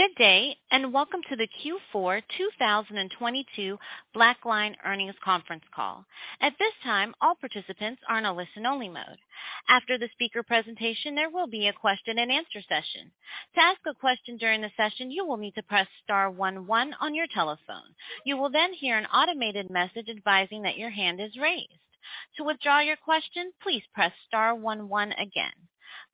Good day, and welcome to the Q4 2022 BlackLine earnings conference call. At this time, all participants are in a listen-only mode. After the speaker presentation, there will be a question-and-answer session. To ask a question during the session, you will need to press star one one on your telephone. You will then hear an automated message advising that your hand is raised. To withdraw your question, please press star one one again.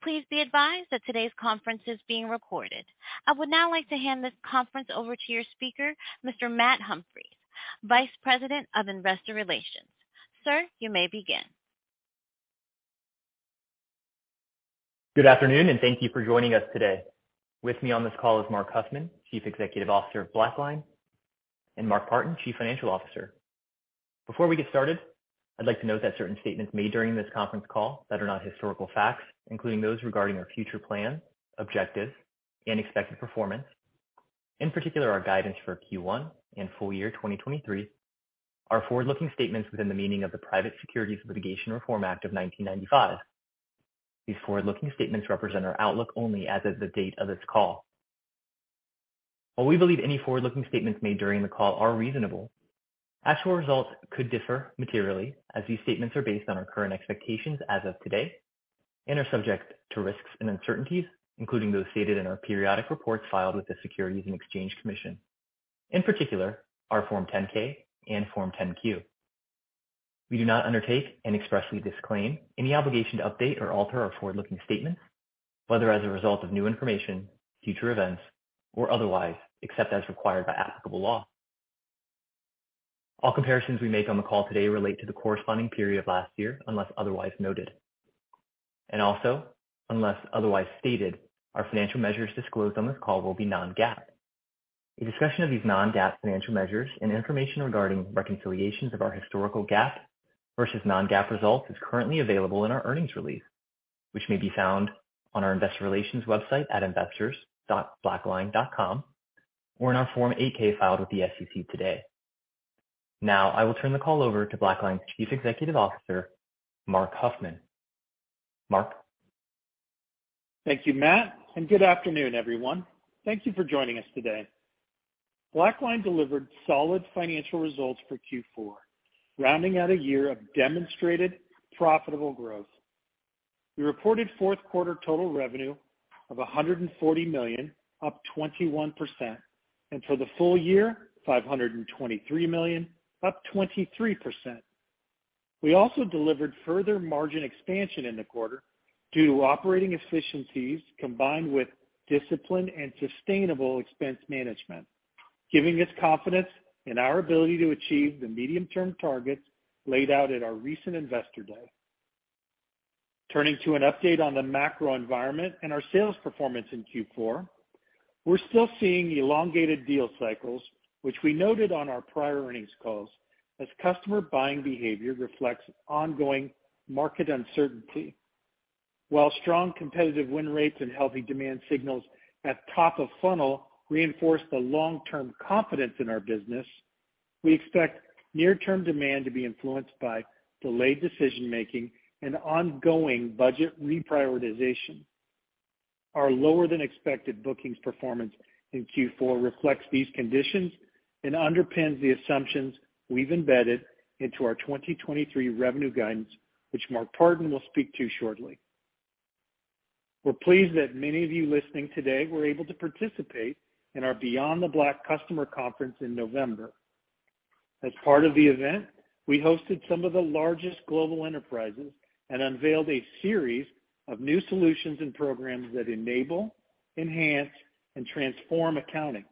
Please be advised that today's conference is being recorded. I would now like to hand this conference over to your speaker, Mr. Matt Humphries, Vice President of Investor Relations. Sir, you may begin. Good afternoon, and thank you for joining us today. With me on this call is Marc Huffman, Chief Executive Officer of BlackLine, and Mark Partin, Chief Financial Officer. Before we get started, I'd like to note that certain statements made during this conference call that are not historical facts, including those regarding our future plans, objectives, and expected performance, in particular, our guidance for Q1 and full year 2023, are forward-looking statements within the meaning of the Private Securities Litigation Reform Act of 1995. These forward-looking statements represent our outlook only as of the date of this call. While we believe any forward-looking statements made during the call are reasonable, actual results could differ materially as these statements are based on our current expectations as of today and are subject to risks and uncertainties, including those stated in our periodic reports filed with the Securities and Exchange Commission. In particular, our Form 10-K and Form 10-Q. We do not undertake and expressly disclaim any obligation to update or alter our forward-looking statements, whether as a result of new information, future events, or otherwise, except as required by applicable law. All comparisons we make on the call today relate to the corresponding period of last year, unless otherwise noted. Also, unless otherwise stated, our financial measures disclosed on this call will be non-GAAP. A discussion of these non-GAAP financial measures and information regarding reconciliations of our historical GAAP versus non-GAAP results is currently available in our earnings release, which may be found on our investor relations website at investors.blackline.com or in our Form 8-K filed with the SEC today. Now, I will turn the call over to BlackLine's Chief Executive Officer, Marc Huffman. Marc? Thank you, Matt, good afternoon, everyone. Thank you for joining us today. BlackLine delivered solid financial results for Q4, rounding out a year of demonstrated profitable growth. We reported fourth quarter total revenue of $140 million, up 21%. For the full year, $523 million, up 23%. We also delivered further margin expansion in the quarter due to operating efficiencies combined with discipline and sustainable expense management, giving us confidence in our ability to achieve the medium-term targets laid out at our recent Investor Day. Turning to an update on the macro environment and our sales performance in Q4, we're still seeing elongated deal cycles, which we noted on our prior earnings calls, as customer buying behavior reflects ongoing market uncertainty. While strong competitive win rates and healthy demand signals at top of funnel reinforce the long-term confidence in our business, we expect near-term demand to be influenced by delayed decision-making and ongoing budget reprioritization. Our lower than expected bookings performance in Q4 reflects these conditions and underpins the assumptions we've embedded into our 2023 revenue guidance, which Mark Partin will speak to shortly. We're pleased that many of you listening today were able to participate in our BeyondTheBlack customer conference in November. As part of the event, we hosted some of the largest global enterprises and unveiled a series of new solutions and programs that enable, enhance, and transform accounting.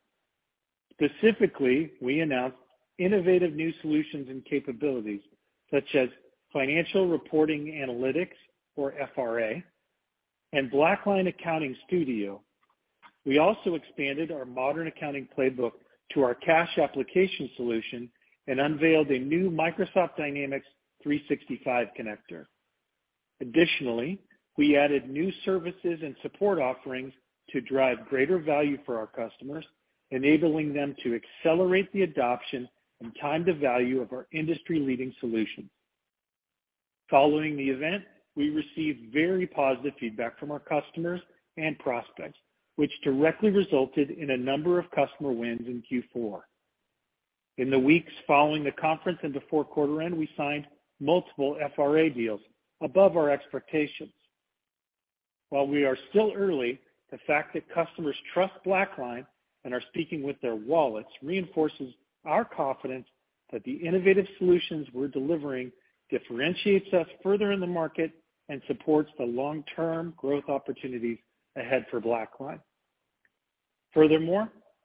Specifically, we announced innovative new solutions and capabilities, such as Financial Reporting Analytics or FRA and BlackLine Accounting Studio. We also expanded our Modern Accounting Playbook to our Cash Application solution and unveiled a new Microsoft Dynamics 365 connector. We added new services and support offerings to drive greater value for our customers, enabling them to accelerate the adoption and time the value of our industry-leading solution. Following the event, we received very positive feedback from our customers and prospects, which directly resulted in a number of customer wins in Q4. In the weeks following the conference and the fourth quarter end, we signed multiple FRA deals above our expectations. While we are still early, the fact that customers trust BlackLine and are speaking with their wallets reinforces our confidence that the innovative solutions we're delivering differentiates us further in the market and supports the long-term growth opportunities ahead for BlackLine.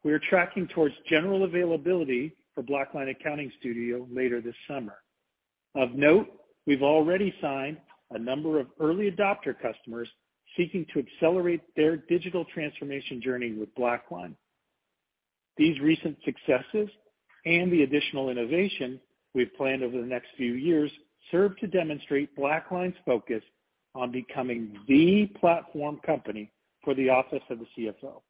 We are tracking towards general availability for BlackLine Accounting Studio later this summer. Of note, we've already signed a number of early adopter customers seeking to accelerate their digital transformation journey with BlackLine. These recent successes and the additional innovation we've planned over the next few years serve to demonstrate BlackLine's focus on becoming the platform company for the office of the CFO.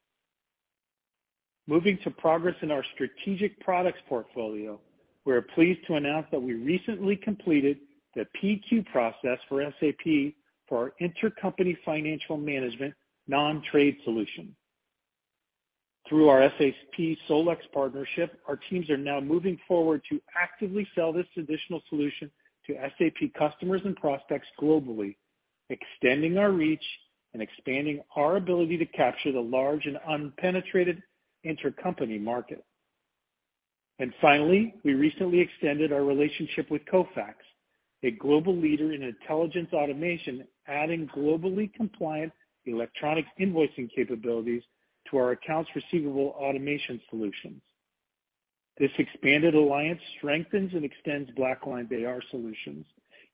Moving to progress in our strategic products portfolio. We are pleased to announce that we recently completed the PQ process for SAP for our Intercompany Financial Management non-trade solution. Through our SAP SolEx partnership, our teams are now moving forward to actively sell this additional solution to SAP customers and prospects globally, extending our reach and expanding our ability to capture the large and unpenetrated intercompany market. Finally, we recently extended our relationship with Kofax, a global leader in intelligence automation, adding globally compliant electronic invoicing capabilities to our AR automation solutions. This expanded alliance strengthens and extends BlackLine AR solutions,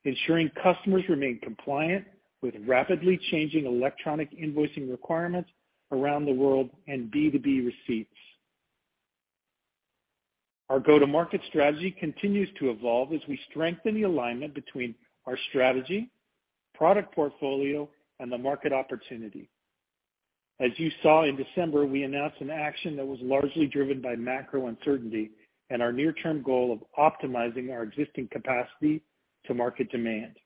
ensuring customers remain compliant with rapidly changing electronic invoicing requirements around the world and B2B receipts. Our go-to-market strategy continues to evolve as we strengthen the alignment between our strategy, product portfolio, and the market opportunity. As you saw in December, we announced an action that was largely driven by macro uncertainty and our near-term goal of optimizing our existing capacity to market demand.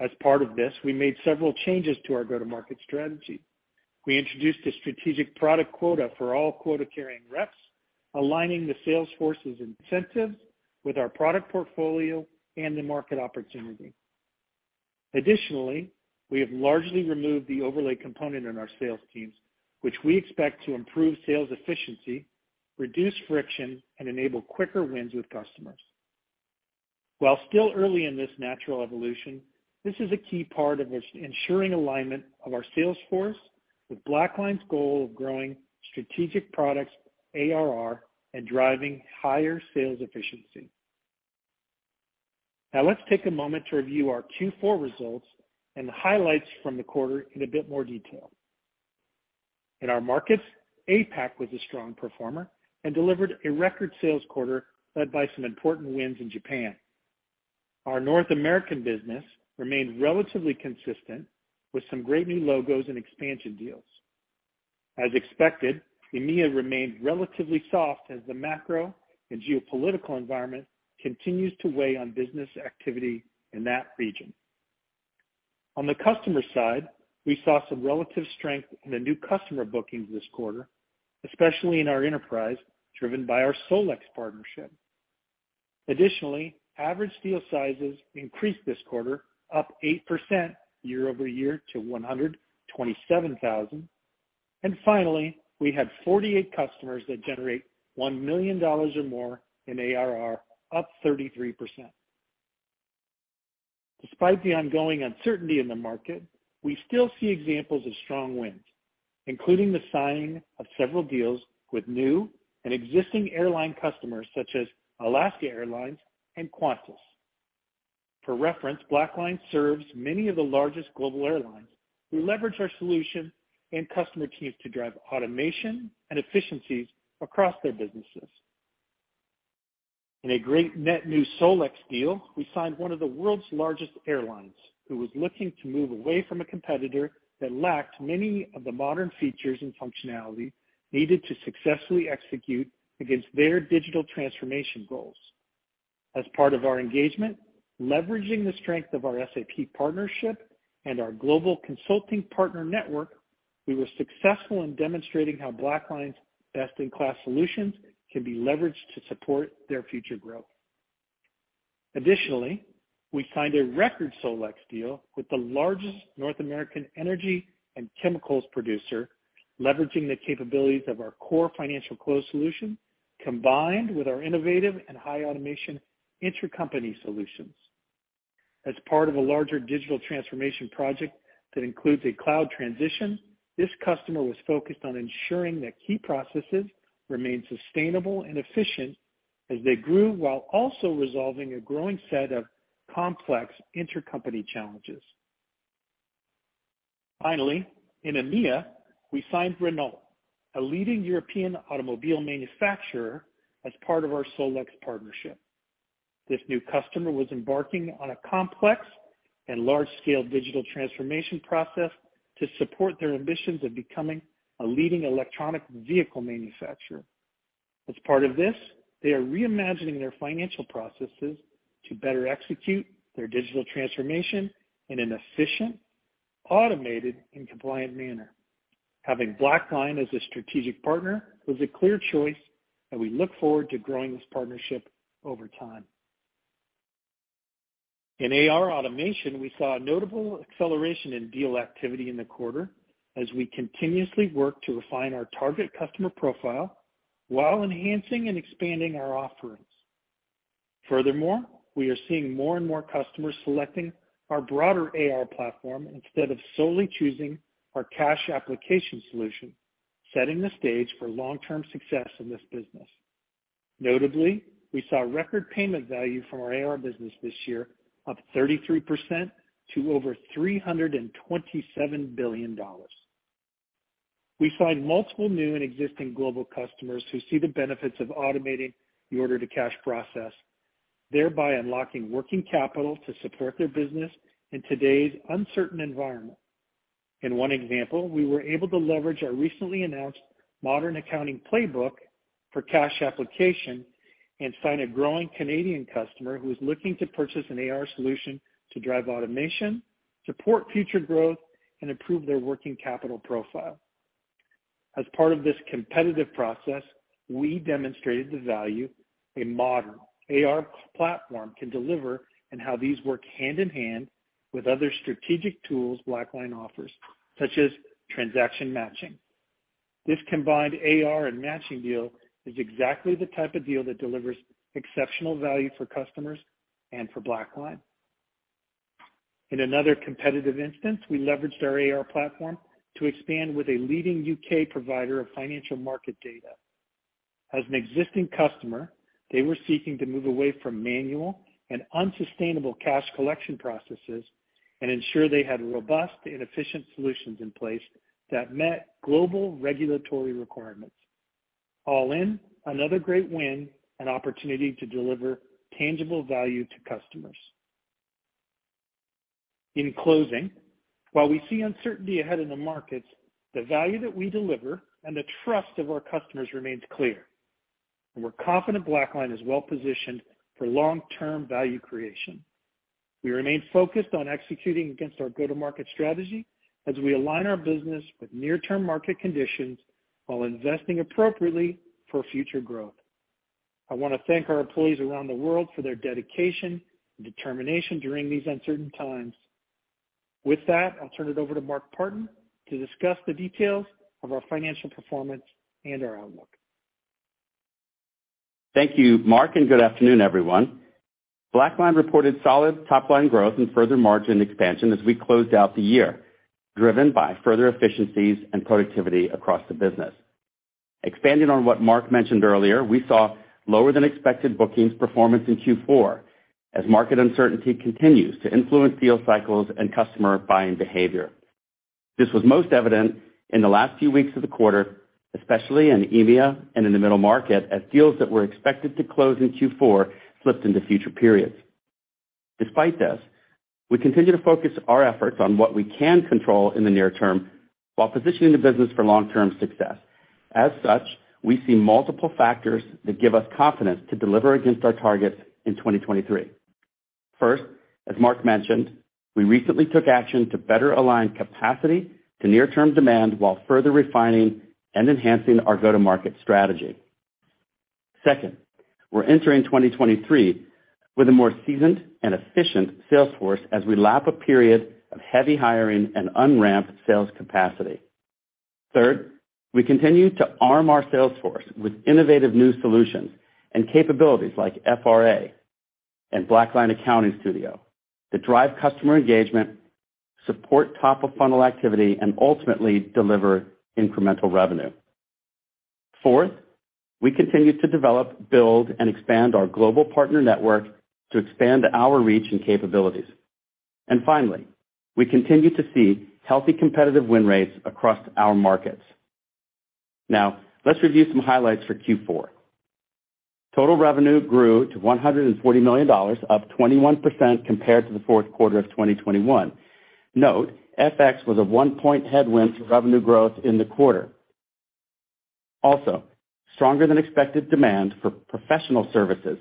As part of this, we made several changes to our go-to-market strategy. We introduced a strategic product quota for all quota-carrying reps, aligning the sales force's incentives with our product portfolio and the market opportunity. Additionally, we have largely removed the overlay component in our sales teams, which we expect to improve sales efficiency, reduce friction, and enable quicker wins with customers. While still early in this natural evolution, this is a key part of ensuring alignment of our sales force with BlackLine's goal of growing strategic products ARR and driving higher sales efficiency. Now let's take a moment to review our Q4 results and the highlights from the quarter in a bit more detail. In our markets, APAC was a strong performer and delivered a record sales quarter led by some important wins in Japan. Our North American business remained relatively consistent with some great new logos and expansion deals. As expected, EMEA remained relatively soft as the macro and geopolitical environment continues to weigh on business activity in that region. On the customer side, we saw some relative strength in the new customer bookings this quarter, especially in our enterprise, driven by our SolEx partnership. Additionally, average deal sizes increased this quarter, up 8% year-over-year to $127,000. Finally, we had 48 customers that generate $1 million or more in ARR, up 33%. Despite the ongoing uncertainty in the market, we still see examples of strong wins, including the signing of several deals with new and existing airline customers such as Alaska Airlines and Qantas. For reference, BlackLine serves many of the largest global airlines who leverage our solution and customer teams to drive automation and efficiencies across their businesses. In a great net new SolEx deal, we signed one of the world's largest airlines, who was looking to move away from a competitor that lacked many of the modern features and functionality needed to successfully execute against their digital transformation goals. As part of our engagement, leveraging the strength of our SAP partnership and our global consulting partner network, we were successful in demonstrating how BlackLine's best-in-class solutions can be leveraged to support their future growth. Additionally, we signed a record SolEx deal with the largest North American energy and chemicals producer, leveraging the capabilities of our core Financial Close solution, combined with our innovative and high automation intercompany solutions. As part of a larger digital transformation project that includes a cloud transition, this customer was focused on ensuring that key processes remain sustainable and efficient as they grew, while also resolving a growing set of complex intercompany challenges. Finally, in EMEA, we signed Renault, a leading European automobile manufacturer, as part of our SolEx partnership. This new customer was embarking on a complex and large-scale digital transformation process to support their ambitions of becoming a leading electronic vehicle manufacturer. As part of this, they are reimagining their financial processes to better execute their digital transformation in an efficient, automated, and compliant manner. Having BlackLine as a strategic partner was a clear choice, and we look forward to growing this partnership over time. In AR automation, we saw a notable acceleration in deal activity in the quarter as we continuously work to refine our target customer profile while enhancing and expanding our offerings. Furthermore, we are seeing more and more customers selecting our broader AR platform instead of solely choosing our Cash Application solution, setting the stage for long-term success in this business. Notably, we saw record payment value from our AR business this year, up 33% to over $327 billion. We signed multiple new and existing global customers who see the benefits of automating the quote-to-cash process, thereby unlocking working capital to support their business in today's uncertain environment. In one example, we were able to leverage our recently announced Modern Accounting Playbook for Cash Application and sign a growing Canadian customer who is looking to purchase an AR Automation to drive automation, support future growth, and improve their working capital profile. As part of this competitive process, we demonstrated the value a modern AR platform can deliver and how these work hand in hand with other strategic tools BlackLine offers, such as Transaction Matching. This combined AR and Matching deal is exactly the type of deal that delivers exceptional value for customers and for BlackLine. In another competitive instance, we leveraged our AR platform to expand with a leading U.K. provider of financial market data. As an existing customer, they were seeking to move away from manual and unsustainable cash collection processes and ensure they had robust and efficient solutions in place that met global regulatory requirements. All in, another great win and opportunity to deliver tangible value to customers. In closing, while we see uncertainty ahead in the markets, the value that we deliver and the trust of our customers remains clear, and we're confident BlackLine is well-positioned for long-term value creation. We remain focused on executing against our go-to-market strategy as we align our business with near-term market conditions while investing appropriately for future growth. I wanna thank our employees around the world for their dedication and determination during these uncertain times. With that, I'll turn it over to Mark Partin to discuss the details of our financial performance and our outlook. Thank you, Marc, and good afternoon, everyone. BlackLine reported solid top-line growth and further margin expansion as we closed out the year, driven by further efficiencies and productivity across the business. Expanding on what Marc mentioned earlier, we saw lower than expected bookings performance in Q4 as market uncertainty continues to influence deal cycles and customer buying behavior. This was most evident in the last few weeks of the quarter, especially in EMEA and in the middle market, as deals that were expected to close in Q4 slipped into future periods. Despite this, we continue to focus our efforts on what we can control in the near term while positioning the business for long-term success. As such, we see multiple factors that give us confidence to deliver against our targets in 2023. First, as Marc mentioned, we recently took action to better align capacity to near-term demand while further refining and enhancing our go-to-market strategy. Second, we're entering 2023 with a more seasoned and efficient sales force as we lap a period of heavy hiring and un-ramp sales capacity. Third, we continue to arm our sales force with innovative new solutions and capabilities like FRA and BlackLine Accounting Studio to drive customer engagement, support top-of-funnel activity, and ultimately deliver incremental revenue. Fourth, we continue to develop, build, and expand our global partner network to expand our reach and capabilities. Finally, we continue to see healthy competitive win rates across our markets. Let's review some highlights for Q4. Total revenue grew to $140 million, up 21% compared to the fourth quarter of 2021. Note, FX was a one-point headwind to revenue growth in the quarter. Stronger than expected demand for professional services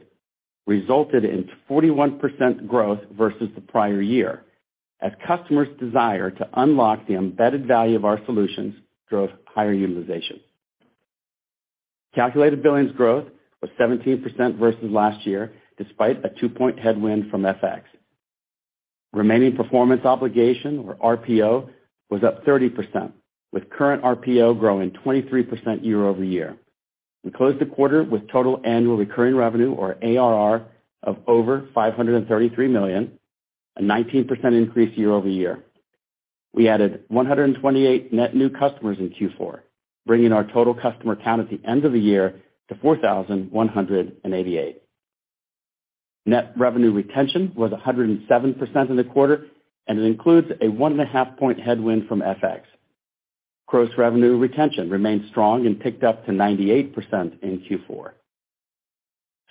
resulted in 41% growth versus the prior year, as customers' desire to unlock the embedded value of our solutions drove higher utilization. Calculated billings growth was 17% versus last year, despite a two-point headwind from FX. Remaining performance obligation, or RPO, was up 30%, with current RPO growing 23% year-over-year. We closed the quarter with total annual recurring revenue, or ARR, of over $533 million, a 19% increase year-over-year. We added 128 net new customers in Q4, bringing our total customer count at the end of the year to 4,188. Net revenue retention was 107% in the quarter, it includes a 1.5-point headwind from FX. Gross revenue retention remained strong and ticked up to 98% in Q4.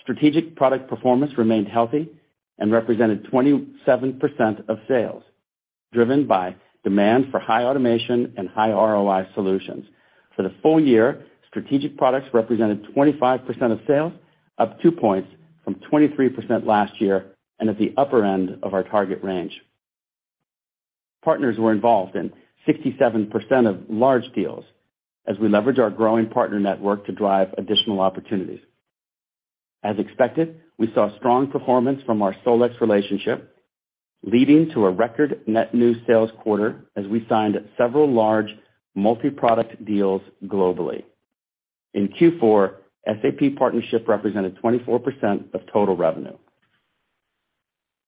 Strategic product performance remained healthy and represented 27% of sales, driven by demand for high automation and high ROI solutions. For the full year, strategic products represented 25% of sales, up two points from 23% last year and at the upper end of our target range. Partners were involved in 67% of large deals as we leverage our growing partner network to drive additional opportunities. As expected, we saw strong performance from our SolEx relationship, leading to a record net new sales quarter as we signed several large multi-product deals globally. In Q4, SAP partnership represented 24% of total revenue.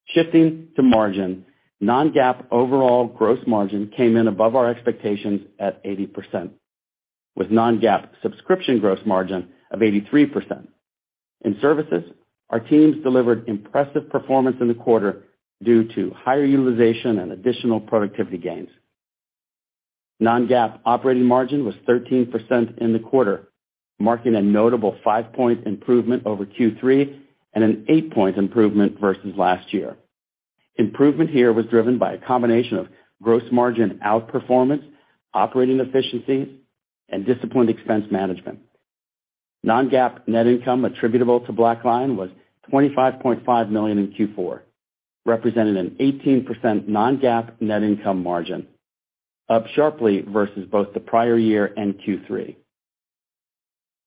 Shifting to margin, non-GAAP overall gross margin came in above our expectations at 80%, with non-GAAP subscription gross margin of 83%. In services, our teams delivered impressive performance in the quarter due to higher utilization and additional productivity gains. Non-GAAP operating margin was 13% in the quarter, marking a notable five-point improvement over Q3 and an eight-point improvement versus last year. Improvement here was driven by a combination of gross margin outperformance, operating efficiencies, and disciplined expense management. Non-GAAP net income attributable to BlackLine was $25.5 million in Q4, representing an 18% non-GAAP net income margin, up sharply versus both the prior year and Q3.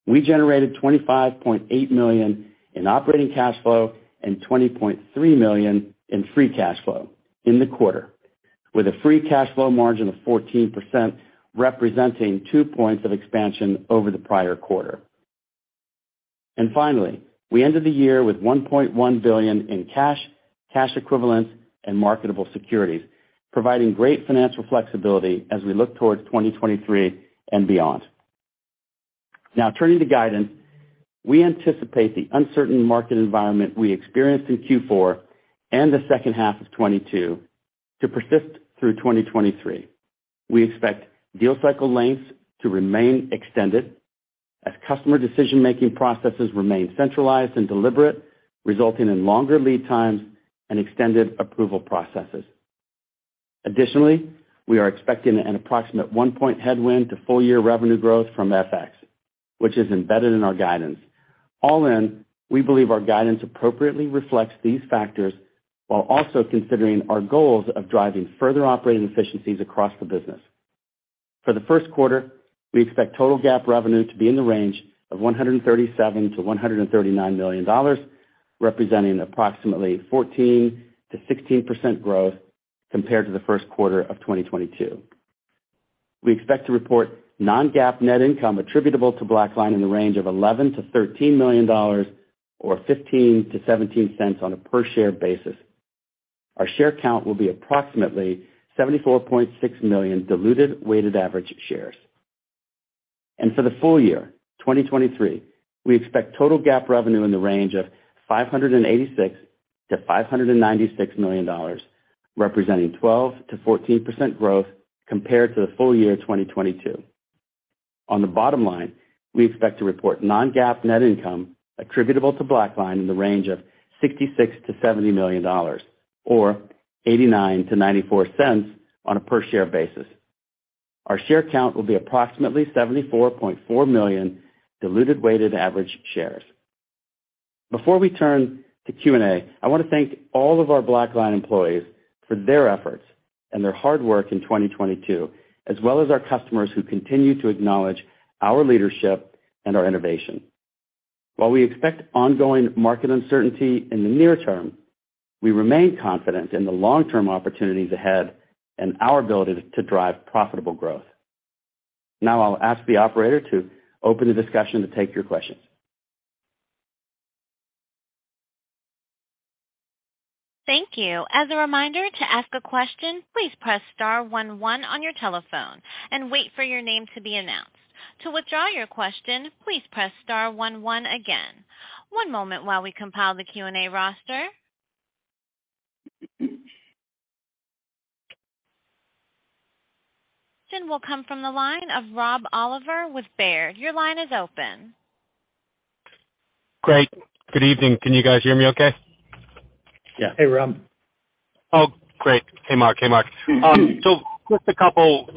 We generated $25.8 million in operating cash flow and $20.3 million in free cash flow in the quarter, with a free cash flow margin of 14%, representing two points of expansion over the prior quarter. Finally, we ended the year with $1.1 billion in cash equivalents, and marketable securities, providing great financial flexibility as we look towards 2023 and beyond. Now turning to guidance. We anticipate the uncertain market environment we experienced in Q4 and the second half of 2022 to persist through 2023. We expect deal cycle lengths to remain extended as customer decision-making processes remain centralized and deliberate, resulting in longer lead times and extended approval processes. We are expecting an approximate one-point headwind to full-year revenue growth from FX, which is embedded in our guidance. All in, we believe our guidance appropriately reflects these factors while also considering our goals of driving further operating efficiencies across the business. For the first quarter, we expect total GAAP revenue to be in the range of $137 million-$139 million, representing approximately 14%-16% growth compared to the first quarter of 2022. We expect to report non-GAAP net income attributable to BlackLine in the range of $11 million-$13 million or $0.15-$0.17 on a per share basis. Our share count will be approximately 74.6 million diluted weighted average shares. For the full year, 2023, we expect total GAAP revenue in the range of $586 million-$596 million, representing 12%-14% growth compared to the full year 2022. On the bottom line, we expect to report non-GAAP net income attributable to BlackLine in the range of $66 million-$70 million or $0.89-$0.94 on a per share basis. Our share count will be approximately 74.4 million diluted weighted average shares. Before we turn to Q&A, I wanna thank all of our BlackLine employees for their efforts and their hard work in 2022, as well as our customers who continue to acknowledge our leadership and our innovation. While we expect ongoing market uncertainty in the near term, we remain confident in the long-term opportunities ahead and our ability to drive profitable growth. I'll ask the operator to open the discussion to take your questions. Thank you. As a reminder to ask a question, please press star one one on your telephone and wait for your name to be announced. To withdraw your question, please press star one one again. One moment while we compile the Q&A roster. The question will come from the line of Rob Oliver with Baird. Your line is open. Great. Good evening. Can you guys hear me okay? Yeah. Hey, Rob. Oh, great. Hey, Marc. Hey, Mark. Just a couple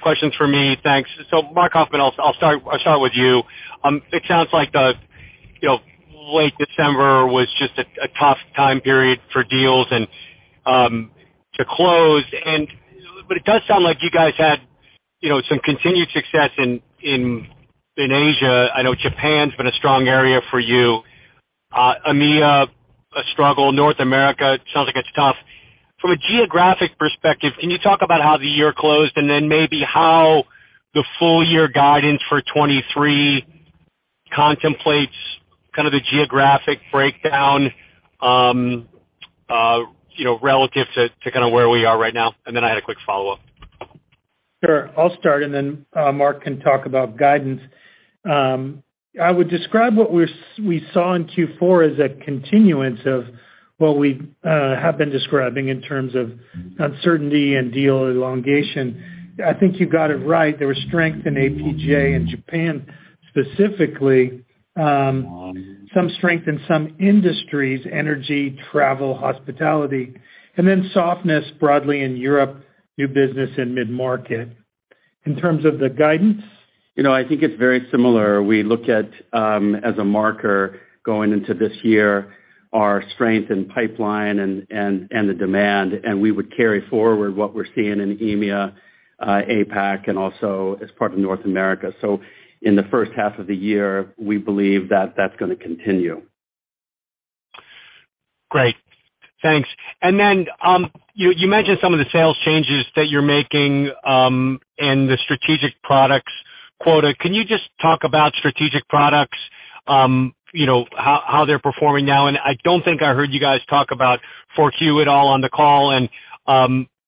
questions for me. Thanks. Marc Huffman, I'll start with you. It sounds like, you know, late December was just a tough time period for deals and to close. But it does sound like you guys had, you know, some continued success in Asia. I know Japan's been a strong area for you. EMEA, a struggle. North America sounds like it's tough. From a geographic perspective, can you talk about how the year closed and then maybe how the full year guidance for 2023 contemplates the geographic breakdown, you know, relative to where we are right now? Then I had a quick follow-up. Sure. I'll start, and then Mark Partin can talk about guidance. I would describe what we saw in Q4 as a continuance of what we have been describing in terms of uncertainty and deal elongation. I think you got it right. There was strength in APJ and Japan specifically. Some strength in some industries, energy, travel, hospitality, and then softness broadly in Europe, new business and mid-market. In terms of the guidance? You know, I think it's very similar. We look at as a marker going into this year, our strength in pipeline and the demand, and we would carry forward what we're seeing in EMEA, APAC, and also as part of North America. In the first half of the year, we believe that that's gonna continue. Great. Thanks. Then, you mentioned some of the sales changes that you're making in the strategic products quota. Can you just talk about strategic products, you know, how they're performing now? I don't think I heard you guys talk about FourQ at all on the call.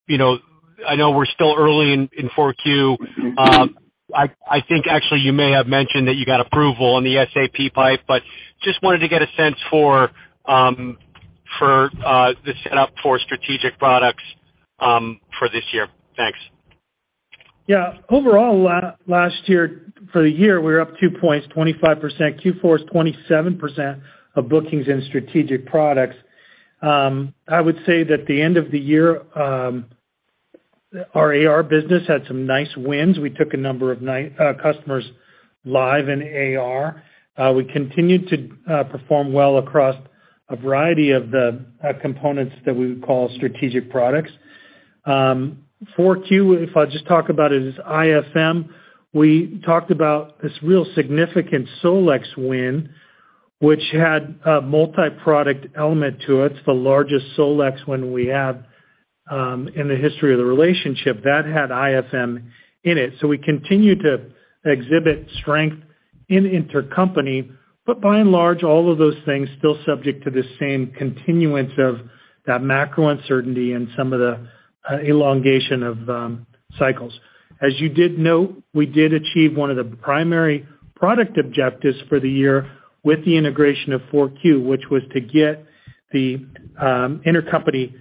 You know, I know we're still early in FourQ. I think actually you may have mentioned that you got approval in the SAP pipe, but just wanted to get a sense for. For the setup for strategic products for this year. Thanks. Yeah. Overall, last year, for the year, we were up 2.25%. Q4 is 27% of bookings in strategic products. I would say that the end of the year, our AR business had some nice wins. We took a number of customers live in AR. We continued to perform well across a variety of the components that we would call strategic products. FourQ, if I just talk about it as IFM, we talked about this real significant SolEx win, which had a multi-product element to it. It's the largest SolEx win we have in the history of the relationship. That had IFM in it. We continued to exhibit strength in intercompany, but by and large, all of those things still subject to the same continuance of that macro uncertainty and some of the elongation of cycles. As you did note, we did achieve one of the primary product objectives for the year with the integration of FourQ, which was to get the intercompany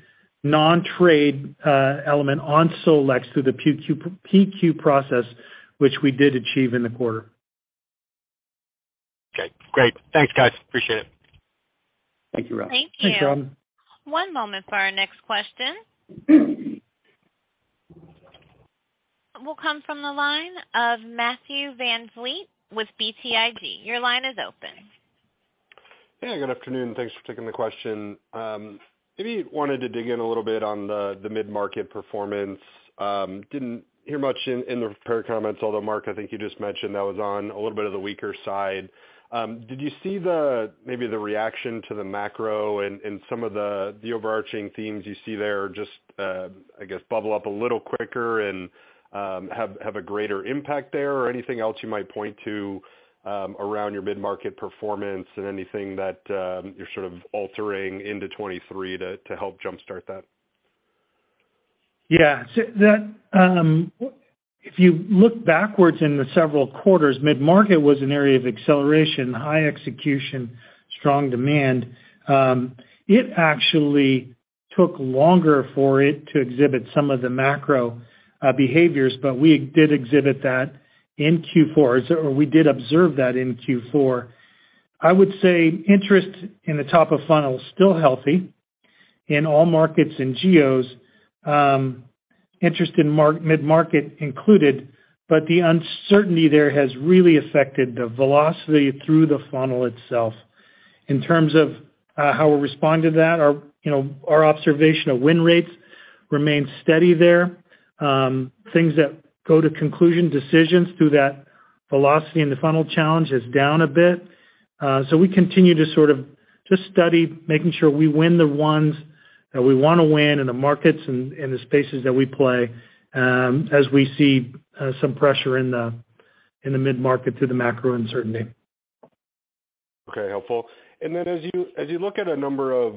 non-trade element on SolEx through the PQ process, which we did achieve in the quarter. Okay. Great. Thanks, guys. Appreciate it. Thank you, Rob. Thank you. Thanks, Rob. One moment for our next question. Will come from the line of Matthew VanVliet with BTIG. Your line is open. Hey, good afternoon. Thanks for taking the question. Maybe wanted to dig in a little bit on the mid-market performance. Didn't hear much in the prepared comments, although, Marc, I think you just mentioned that was on a little bit of the weaker side. Did you see the, maybe the reaction to the macro and some of the overarching themes you see there just, I guess, bubble up a little quicker and have a greater impact there, or anything else you might point to, around your mid-market performance and anything that, you're sort of altering into 2023 to help jumpstart that? Yeah. That, if you look backwards into several quarters, mid-market was an area of acceleration, high execution, strong demand. It actually took longer for it to exhibit some of the macro behaviors, but we did exhibit that in Q4, or we did observe that in Q4. I would say interest in the top of funnel is still healthy in all markets and geos. Interest in mid-market included, but the uncertainty there has really affected the velocity through the funnel itself. In terms of how we'll respond to that, our, you know, our observation of win rates remains steady there. Things that go to conclusion, decisions through that velocity in the funnel challenge is down a bit. We continue to sort of just study, making sure we win the ones that we wanna win in the markets and the spaces that we play, as we see some pressure in the mid-market through the macro uncertainty. Okay. Helpful. As you look at a number of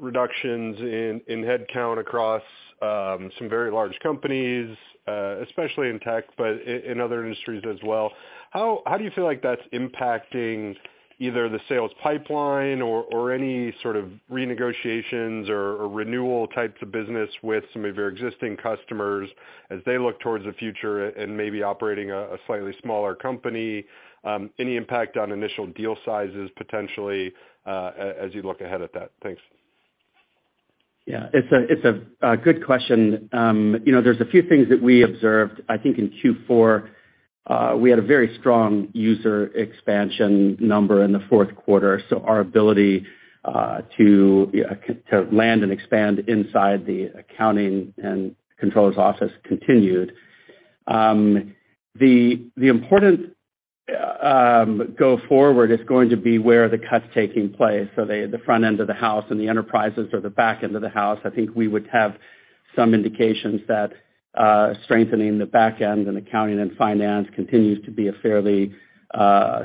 reductions in headcount across some very large companies, especially in tech, but in other industries as well, how do you feel like that's impacting either the sales pipeline or any sort of renegotiations or renewal types of business with some of your existing customers as they look towards the future and maybe operating a slightly smaller company? Any impact on initial deal sizes potentially as you look ahead at that? Thanks. Yeah. It's a good question. You know, there's a few things that we observed, I think, in Q4. We had a very strong user expansion number in the fourth quarter, our ability to land and expand inside the accounting and controller's office continued. The important go forward is going to be where are the cuts taking place. The front end of the house and the enterprises or the back end of the house, I think we would have some indications that strengthening the back end and accounting and finance continues to be a fairly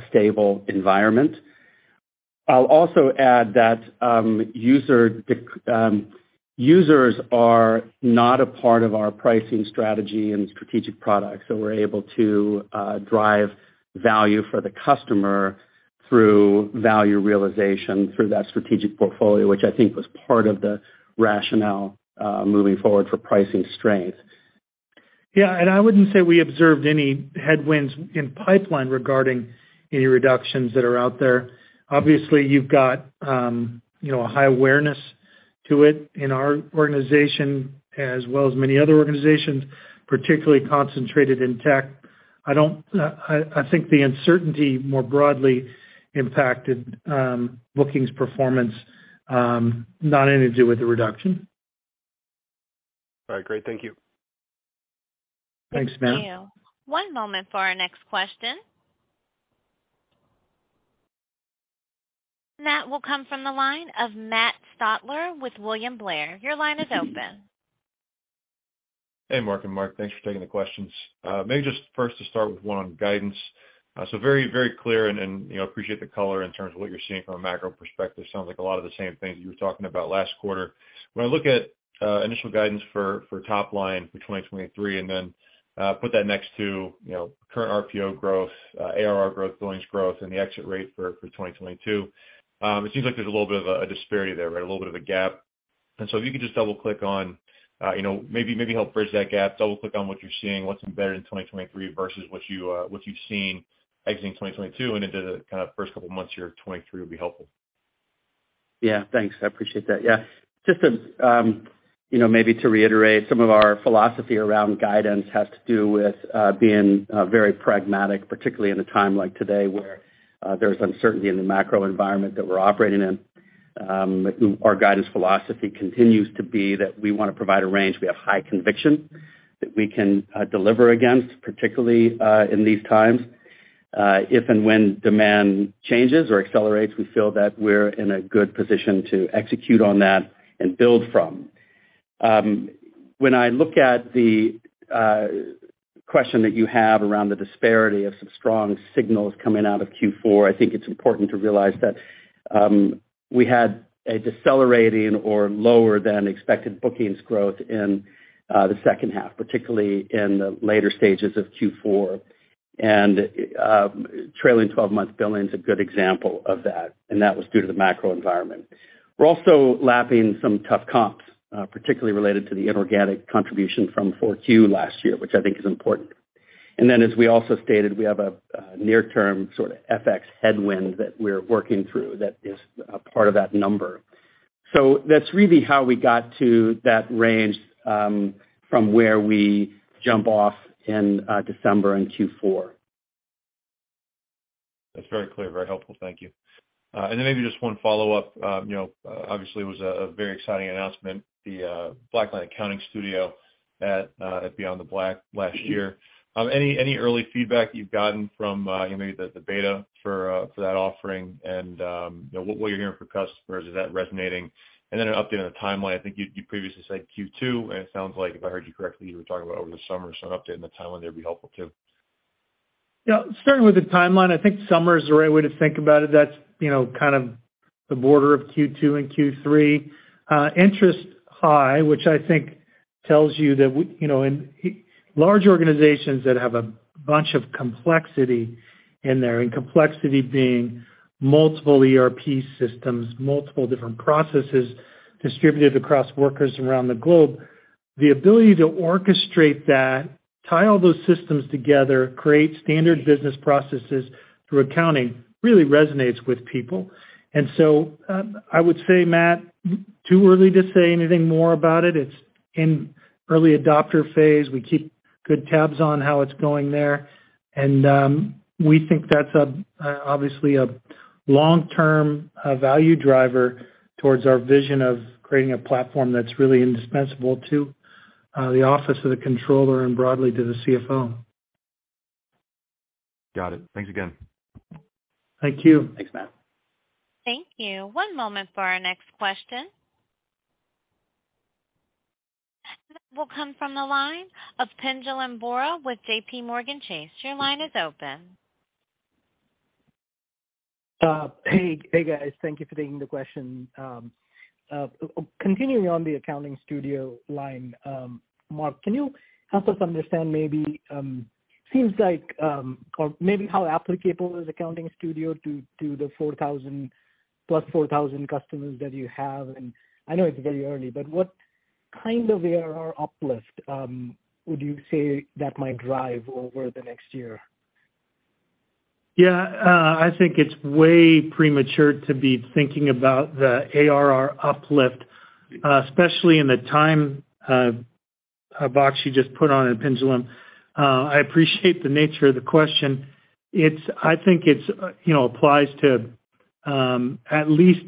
stable environment. I'll also add that users are not a part of our pricing strategy and strategic products. We're able to drive value for the customer through value realization through that strategic portfolio, which I think was part of the rationale moving forward for pricing strength. Yeah. I wouldn't say we observed any headwinds in pipeline regarding any reductions that are out there. Obviously, you've got, you know, a high awareness to it in our organization as well as many other organizations, particularly concentrated in tech. I think the uncertainty more broadly impacted bookings performance, not anything to do with the reduction. All right. Great. Thank you. Thanks, Matt. Thank you. One moment for our next question. That will come from the line of Matt Stotler with William Blair. Your line is open. Hey, Marc and Mark. Thanks for taking the questions. Maybe just first to start with one on guidance. Very, very clear and, you know, appreciate the color in terms of what you're seeing from a macro perspective. Sounds like a lot of the same things you were talking about last quarter. When I look at initial guidance for top line for 2023 and then put that next to, you know, current RPO growth, ARR growth, billings growth and the exit rate for 2022, it seems like there's a little bit of a disparity there, right? A little bit of a gap. If you could just double click on, you know, maybe help bridge that gap. Double click on what you're seeing, what's embedded in 2023 versus what you, what you've seen exiting 2022 and into the kind of first couple months here of 2023 would be helpful. Thanks. I appreciate that. Just to, you know, maybe to reiterate some of our philosophy around guidance has to do with being very pragmatic, particularly in a time like today where there's uncertainty in the macro environment that we're operating in. Our guidance philosophy continues to be that we wanna provide a range. We have high conviction that we can deliver against, particularly, in these times. If and when demand changes or accelerates, we feel that we're in a good position to execute on that and build from. When I look at the question that you have around the disparity of some strong signals coming out of Q4, I think it's important to realize that we had a decelerating or lower than expected bookings growth in the second half, particularly in the later stages of Q4. Trailing 12-month billing is a good example of that, and that was due to the macro environment. We're also lapping some tough comps, particularly related to the inorganic contribution from FourQ last year, which I think is important. As we also stated, we have a near-term sort of FX headwind that we're working through that is a part of that number. That's really how we got to that range from where we jump off in December in Q4. Very helpful. Thank you. And then maybe just one follow-up. You know, obviously it was a very exciting announcement, the BlackLine Accounting Studio at BeyondTheBlack last year. Any early feedback you've gotten from, you know, maybe the beta for that offering? And, you know, what you're hearing from customers, is that resonating? And then an update on the timeline. I think you previously said Q2, and it sounds like, if I heard you correctly, you were talking about over the summer. So an update on the timeline there'd be helpful too Yeah. Starting with the timeline, I think summer is the right way to think about it. That's, you know, kind of the border of Q2 and Q3. Interest high, which I think tells you that, you know, in large organizations that have a bunch of complexity in there, and complexity being multiple ERP systems, multiple different processes distributed across workers around the globe, the ability to orchestrate that, tie all those systems together, create standard business processes through accounting really resonates with people. I would say, Matt, too early to say anything more about it. It's in early adopter phase. We keep good tabs on how it's going there. We think that's a obviously a long-term value driver towards our vision of creating a platform that's really indispensable to the office of the controller and broadly to the CFO. Got it. Thanks again. Thank you. Thanks, Matt. Thank you. One moment for our next question. Next will come from the line of Pinjalim Bora with JPMorgan Chase. Your line is open. Hey. Hey, guys. Thank you for taking the question. Continuing on the Accounting Studio line, Marc, can you help us understand maybe, seems like, or maybe how applicable is Accounting Studio to the 4,000, plus 4,000 customers that you have? I know it's very early, but what kind of ARR uplift, would you say that might drive over the next year? Yeah. I think it's way premature to be thinking about the ARR uplift, especially in the time box you just put on it, Pinjalim. I appreciate the nature of the question. I think it's, you know, applies to at least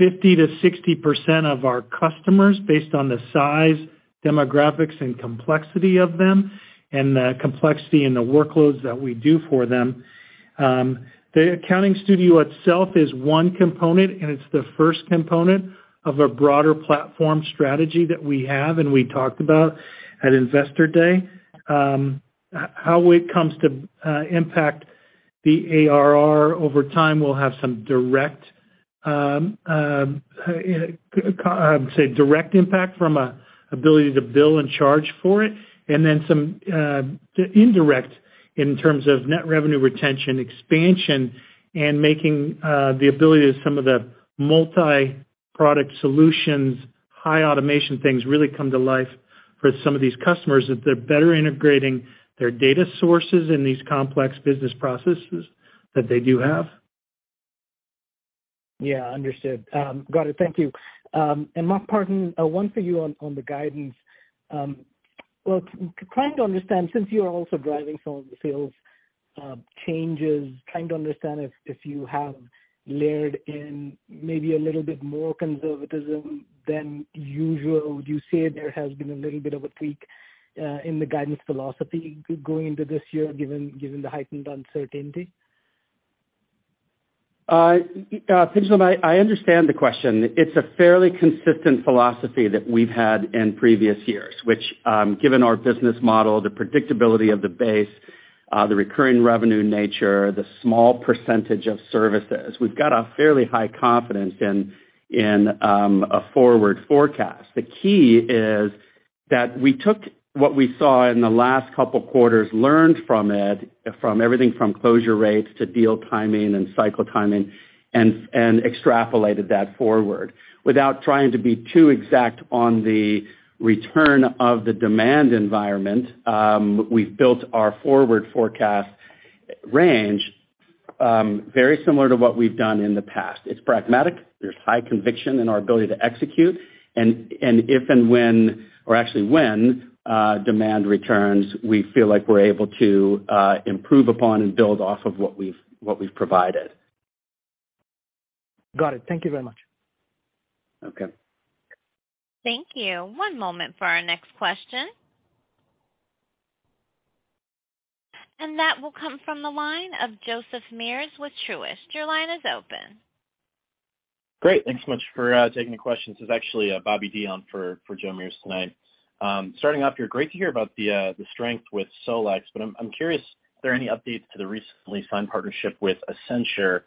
50% to 60% of our customers based on the size, demographics, and complexity of them, and the complexity in the workloads that we do for them. The Accounting Studio itself is one component, and it's the first component of a broader platform strategy that we have and we talked about at Investor Day. how it comes to impact the ARR over time will have some direct, say direct impact from an ability to bill and charge for it, and then some indirect in terms of net revenue retention expansion and making the ability of some of the multi-product solutions, high automation things really come to life for some of these customers, that they're better integrating their data sources in these complex business processes that they do have. Yeah, understood. got it. Thank you. Mark Partin, one for you on the guidance. Well, trying to understand, since you are also driving some of the sales changes, trying to understand if you have layered in maybe a little bit more conservatism than usual. Would you say there has been a little bit of a tweak in the guidance philosophy going into this year, given the heightened uncertainty? Pinjalim, I understand the question. It's a fairly consistent philosophy that we've had in previous years, which, given our business model, the predictability of the base, the recurring revenue nature, the small percentage of services, we've got a fairly high confidence in a forward forecast. The key is We took what we saw in the last couple quarters, learned from it, from everything from closure rates to deal timing and cycle timing, and extrapolated that forward. Without trying to be too exact on the return of the demand environment, we've built our forward forecast range, very similar to what we've done in the past. It's pragmatic. There's high conviction in our ability to execute. If and when, or actually when, demand returns, we feel like we're able to improve upon and build off of what we've provided. Got it. Thank you very much. Okay. Thank you. One moment for our next question. That will come from the line of Joe Meares with Truist. Your line is open. Great. Thanks so much for taking the questions. This is actually Bobby Dee for Joe Meares tonight. Starting off here, great to hear about the strength with SolEx. I'm curious, are there any updates to the recently signed partnership with Accenture?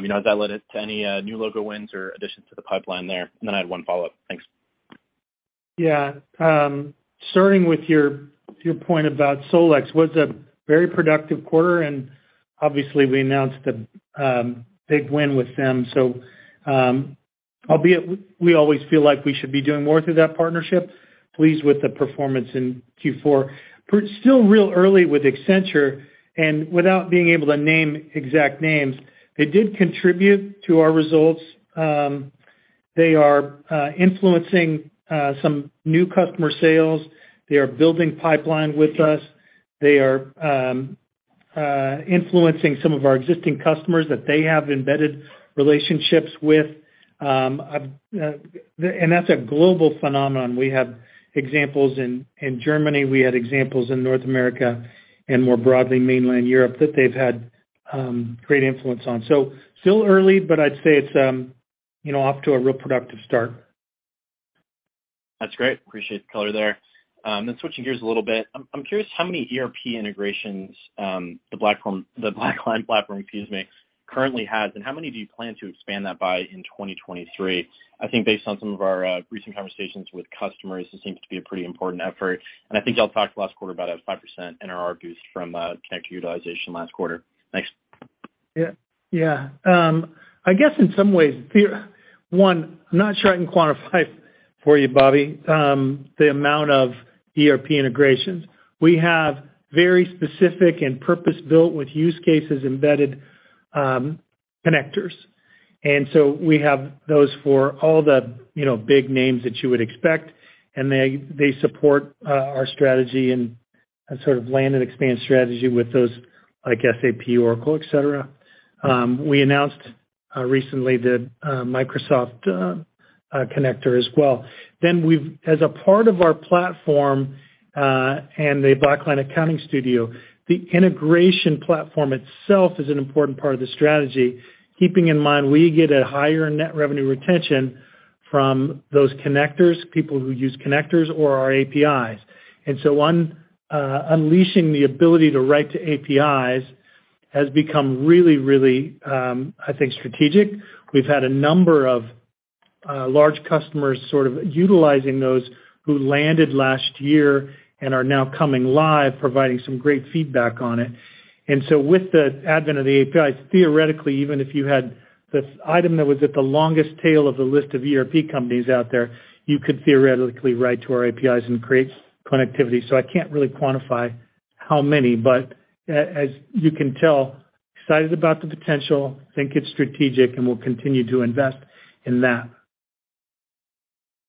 You know, has that led to any new logo wins or additions to the pipeline there? I had one follow-up. Thanks. Starting with your point about SolEx, was a very productive quarter, and obviously we announced a big win with them. Albeit we always feel like we should be doing more through that partnership, pleased with the performance in Q4. Still real early with Accenture, and without being able to name exact names, they did contribute to our results. They are influencing some new customer sales. They are building pipeline with us. They are influencing some of our existing customers that they have embedded relationships with. That's a global phenomenon. We have examples in Germany, we had examples in North America and more broadly mainland Europe that they've had great influence on. Still early, but I'd say it's, you know, off to a real productive start. That's great. Appreciate the color there. Switching gears a little bit. I'm curious how many ERP integrations the BlackLine platform, excuse me, currently has, and how many do you plan to expand that by in 2023? I think based on some of our recent conversations with customers, this seems to be a pretty important effort, and I think y'all talked last quarter about a 5% NRR boost from connector utilization last quarter. Thanks. Yeah. Yeah. I guess in some ways the... One, I'm not sure I can quantify for you, Bobby, the amount of ERP integrations. We have very specific and purpose-built with use cases embedded connectors. We have those for all the, you know, big names that you would expect, and they support our strategy and a sort of land and expand strategy with those like SAP, Oracle, et cetera. We announced recently the Microsoft connector as well. As a part of our platform, and the BlackLine Accounting Studio, the integration platform itself is an important part of the strategy. Keeping in mind we get a higher net revenue retention from those connectors, people who use connectors or our APIs. Unleashing the ability to write to APIs has become really, really, I think strategic. We've had a number of large customers sort of utilizing those who landed last year and are now coming live providing some great feedback on it. With the advent of the APIs, theoretically, even if you had the item that was at the longest tail of the list of ERP companies out there, you could theoretically write to our APIs and create connectivity. I can't really quantify how many, but as you can tell, excited about the potential, think it's strategic, and we'll continue to invest in that.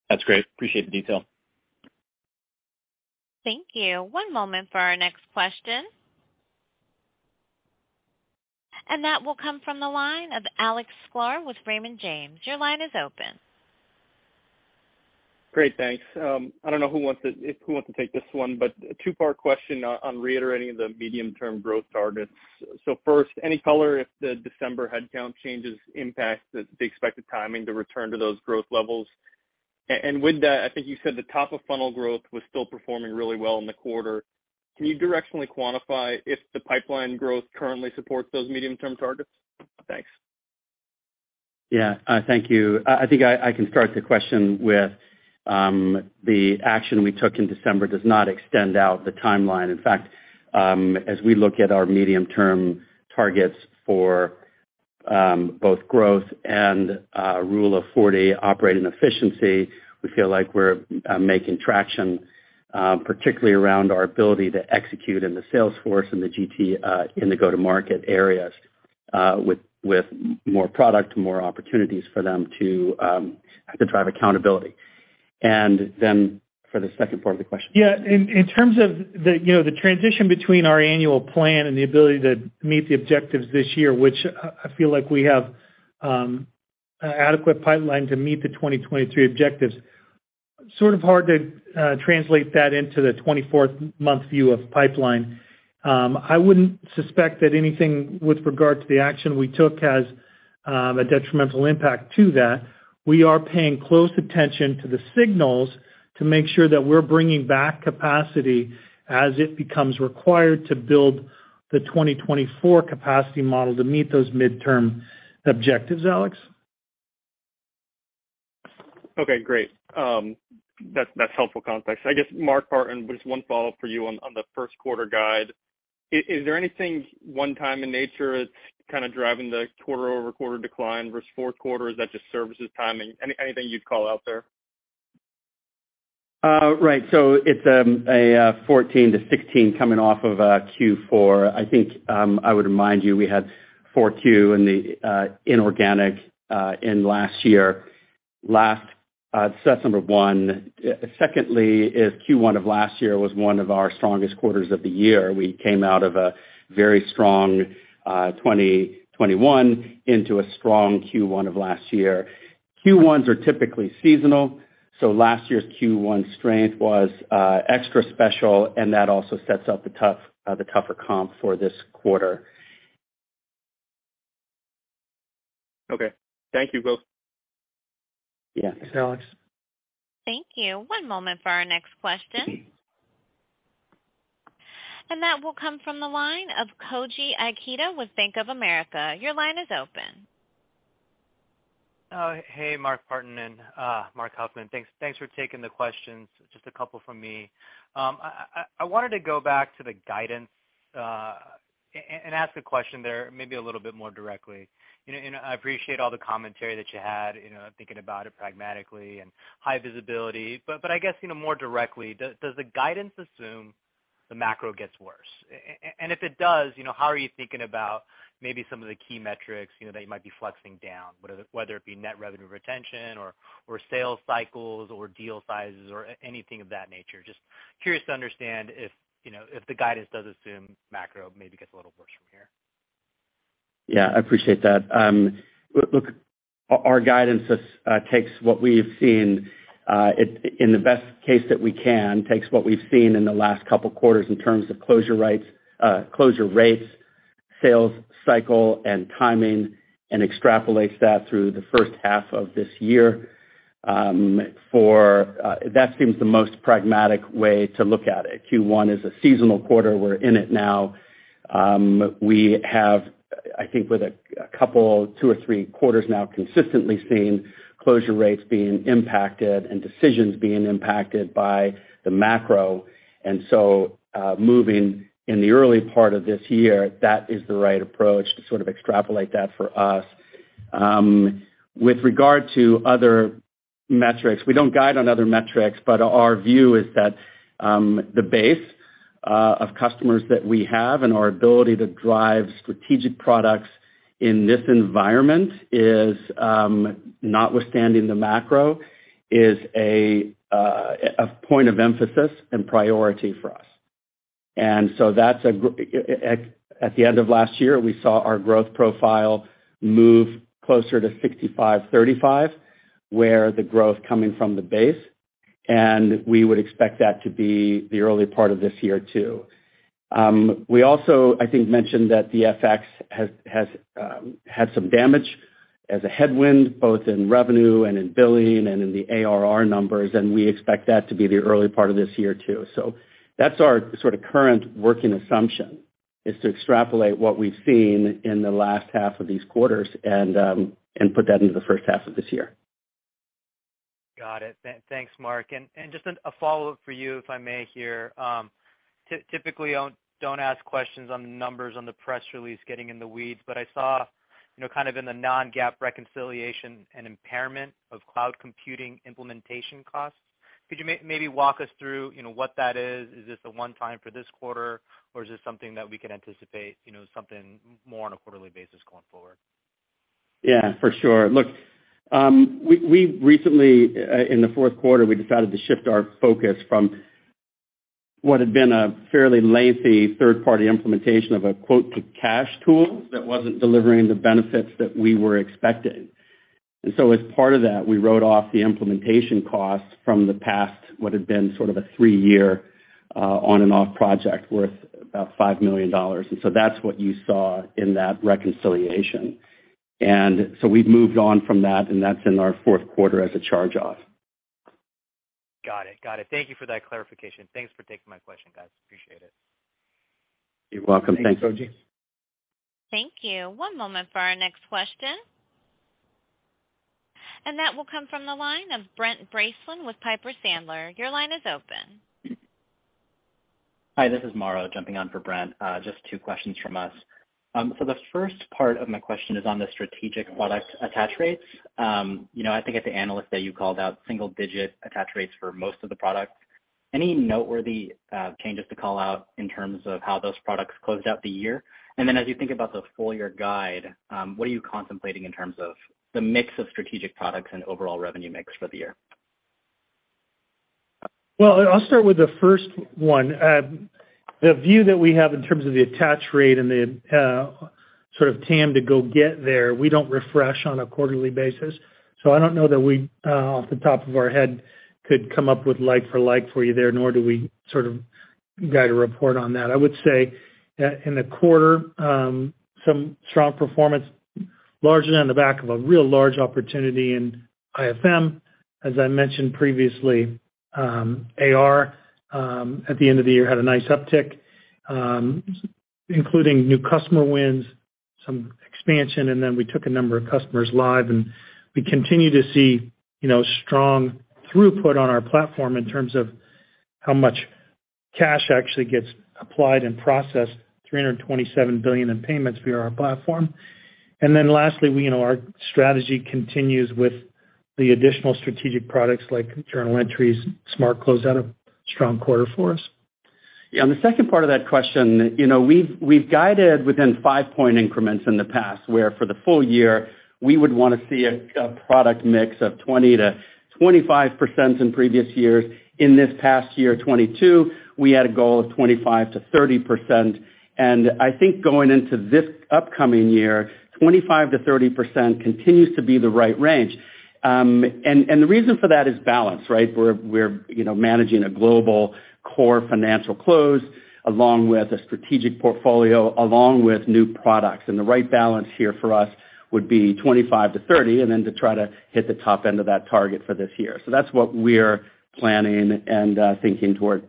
That's great. Appreciate the detail. Thank you. One moment for our next question. That will come from the line of Alex Sklar with Raymond James. Your line is open. Great, thanks. I don't know who wants to take this one, but a two-part question on reiterating the medium-term growth targets. First, any color if the December headcount changes impact the expected timing to return to those growth levels. With that, I think you said the top of funnel growth was still performing really well in the quarter. Can you directionally quantify if the pipeline growth currently supports those medium-term targets? Thanks. Yeah. Thank you. I think I can start the question with the action we took in December does not extend out the timeline. In fact, as we look at our medium-term targets for both growth and Rule of 40 operating efficiency, we feel like we're making traction, particularly around our ability to execute in the sales force and the GT in the go-to-market areas, with more product, more opportunities for them to drive accountability. For the second part of the question. Yeah. In terms of the, you know, the transition between our annual plan and the ability to meet the objectives this year, which I feel like we have adequate pipeline to meet the 2023 objectives, sort of hard to translate that into the 24-month view of pipeline. I wouldn't suspect that anything with regard to the action we took has a detrimental impact to that. We are paying close attention to the signals to make sure that we're bringing back capacity as it becomes required to build the 2024 capacity model to meet those midterm objectives, Alex. Okay, great. that's helpful context. I guess, Mark Partin, just 1 follow-up for you on the 1st quarter guide. Is there anything one time in nature that's kinda driving the quarter-over-quarter decline versus fourth quarter? Is that just services timing? Anything you'd call out there? Right. It's 14%-16% coming off of Q4. I think, I would remind you, we had FourQ in the inorganic in last year. Last, set number one. Secondly is Q1 of last year was one of our strongest quarters of the year. We came out of a very strong 2021 into a strong Q1 of last year. Q1s are typically seasonal, last year's Q1 strength was extra special, and that also sets up the tougher comp for this quarter. Okay. Thank you both. Yeah. Thanks, Alex. Thank you. One moment for our next question. That will come from the line of Koji Ikeda with Bank of America. Your line is open. Hey, Mark Partin and Marc Huffman. Thanks for taking the questions. Just a couple from me. I wanted to go back to the guidance and ask a question there maybe a little bit more directly. You know, I appreciate all the commentary that you had, you know, thinking about it pragmatically and high visibility. I guess, you know, more directly, does the guidance assume the macro gets worse? If it does, you know, how are you thinking about maybe some of the key metrics, you know, that you might be flexing down, whether it be net revenue retention or sales cycles or deal sizes or anything of that nature? Just curious to understand if, you know, if the guidance does assume macro maybe gets a little worse from here. Yeah, I appreciate that. Look, our guidance is, takes what we've seen, in the best case that we can, takes what we've seen in the last couple quarters in terms of closure rates, sales cycle and timing, and extrapolates that through the first half of this year. For, that seems the most pragmatic way to look at it. Q1 is a seasonal quarter. We're in it now. We have, I think with a couple, two or three quarters now consistently seeing closure rates being impacted and decisions being impacted by the macro. Moving in the early part of this year, that is the right approach to sort of extrapolate that for us. With regard to other metrics, we don't guide on other metrics, but our view is that the base of customers that we have and our ability to drive strategic products in this environment is, notwithstanding the macro, is a point of emphasis and priority for us. At the end of last year, we saw our growth profile move closer to 65/35, where the growth coming from the base, and we would expect that to be the early part of this year, too. We also, I think, mentioned that the FX has had some damage as a headwind, both in revenue and in billing and in the ARR numbers, and we expect that to be the early part of this year, too. That's our sort of current working assumption, is to extrapolate what we've seen in the last half of these quarters and put that into the first half of this year. Got it. Thanks, Mark Partin. Just a follow-up for you, if I may here. Typically, I don't ask questions on the numbers on the press release getting in the weeds, but I saw, you know, kind of in the non-GAAP reconciliation and impairment of cloud computing implementation costs. Could you walk us through, you know, what that is? Is this a one-time for this quarter, or is this something that we could anticipate, you know, something more on a quarterly basis going forward? Yeah, for sure. Look, we recently in the fourth quarter, we decided to shift our focus from what had been a fairly lengthy third-party implementation of a quote-to-cash tool that wasn't delivering the benefits that we were expecting. As part of that, we wrote off the implementation costs from the past, what had been sort of a 3-year, on and off project worth about $5 million. That's what you saw in that reconciliation. We've moved on from that, and that's in our fourth quarter as a charge-off. Got it. Thank you for that clarification. Thanks for taking my question, guys. Appreciate it. You're welcome. Thanks. Thanks, Koji. Thank you. One moment for our next question. That will come from the line of Brent Bracelin with Piper Sandler. Your line is open. Hi, this is Mauro jumping on for Brent. Just two questions from us. The first part of my question is on the strategic product attach rates. You know, I think as an analyst that you called out single-digit attach rates for most of the products. Any noteworthy changes to call out in terms of how those products closed out the year? As you think about the full-year guide, what are you contemplating in terms of the mix of strategic products and overall revenue mix for the year? Well, I'll start with the first one. The view that we have in terms of the attach rate and the sort of TAM to go get there, we don't refresh on a quarterly basis. I don't know that we off the top of our head could come up with like for like for you there, nor do we sort of guide a report on that. I would say, in the quarter, some strong performance largely on the back of a real large opportunity in IFM I mentioned previously, AR, at the end of the year had a nice uptick, including new customer wins, some expansion, and then we took a number of customers live, and we continue to see, you know, strong throughput on our platform in terms of how much cash actually gets applied and processed, $327 billion in payments via our platform. Lastly, you know, our strategy continues with the additional strategic products like Journal Entry, Smart Close out, a strong quarter for us. Yeah, on the second part of that question, you know, we've guided within five-point increments in the past, where for the full year, we would wanna see a product mix of 20%-25% in previous years. In this past year, 2022, we had a goal of 25%-30%. The reason for that is balance, right? We're, you know, managing a global core Financial Close, along with a strategic portfolio, along with new products. The right balance here for us would be 25%-30%, and then to try to hit the top end of that target for this year. That's what we're planning and thinking toward.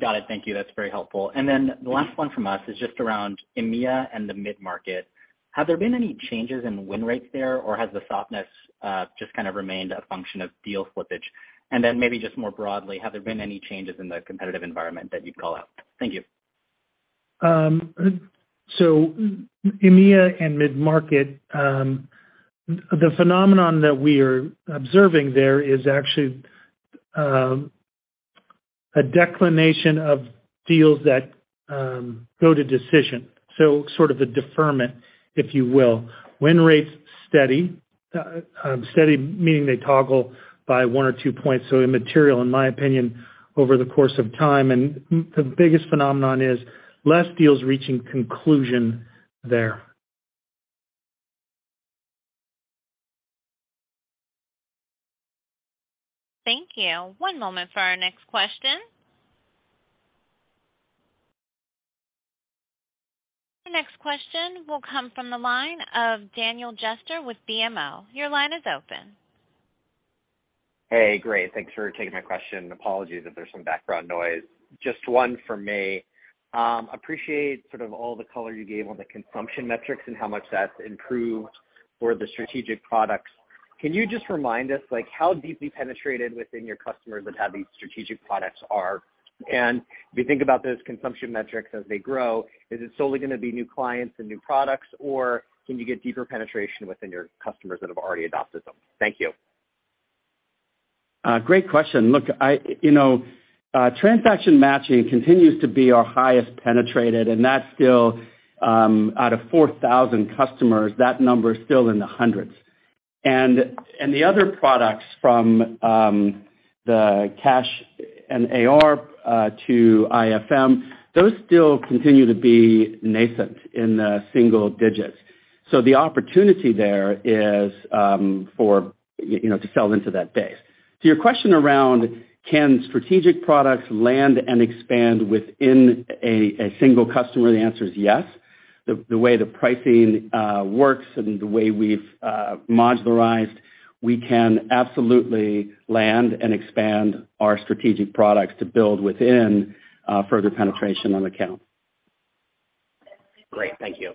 Got it. Thank you. That's very helpful. The last one from us is just around EMEA and the mid-market. Have there been any changes in win rates there, or has the softness just kind of remained a function of deal slippage? Maybe just more broadly, have there been any changes in the competitive environment that you'd call out? Thank you. EMEA and mid-market, the phenomenon that we are observing there is actually a declination of deals that go to decision. Sort of a deferment, if you will. Win rates steady meaning they toggle by oneor two points, so immaterial in my opinion over the course of time. The biggest phenomenon is less deals reaching conclusion there. Thank you. One moment for our next question. Our next question will come from the line of Daniel Jester with BMO. Your line is open. Hey, great. Thanks for taking my question. Apologies if there's some background noise. Just one for me. Appreciate sort of all the color you gave on the consumption metrics and how much that's improved for the strategic products. Can you just remind us like how deeply penetrated within your customers of how these strategic products are? If you think about those consumption metrics as they grow, is it solely gonna be new clients and new products, or can you get deeper penetration within your customers that have already adopted them? Thank you. Great question. Look, you know, Transaction Matching continues to be our highest penetrated, and that's still, out of 4,000 customers, that number is still in the hundreds. The other products from, the Cash Application and AR, to IFM, those still continue to be nascent in the single digits. The opportunity there is, for, you know, to sell into that base. To your question around can strategic products land and expand within a single customer, the answer is yes. The way the pricing works and the way we've modularized, we can absolutely land and expand our strategic products to build within, further penetration on account. Great. Thank you.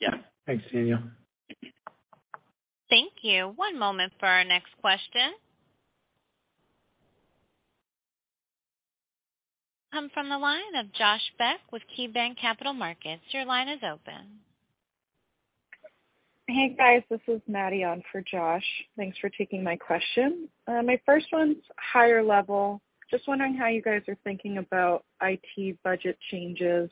Yeah. Thanks, Daniel. Thank you. One moment for our next question. Come from the line of Josh Beck with KeyBanc Capital Markets. Your line is open. Hey, guys, this is Maddie on for Josh. Thanks for taking my question. My first one's higher level. Just wondering how you guys are thinking about IT budget changes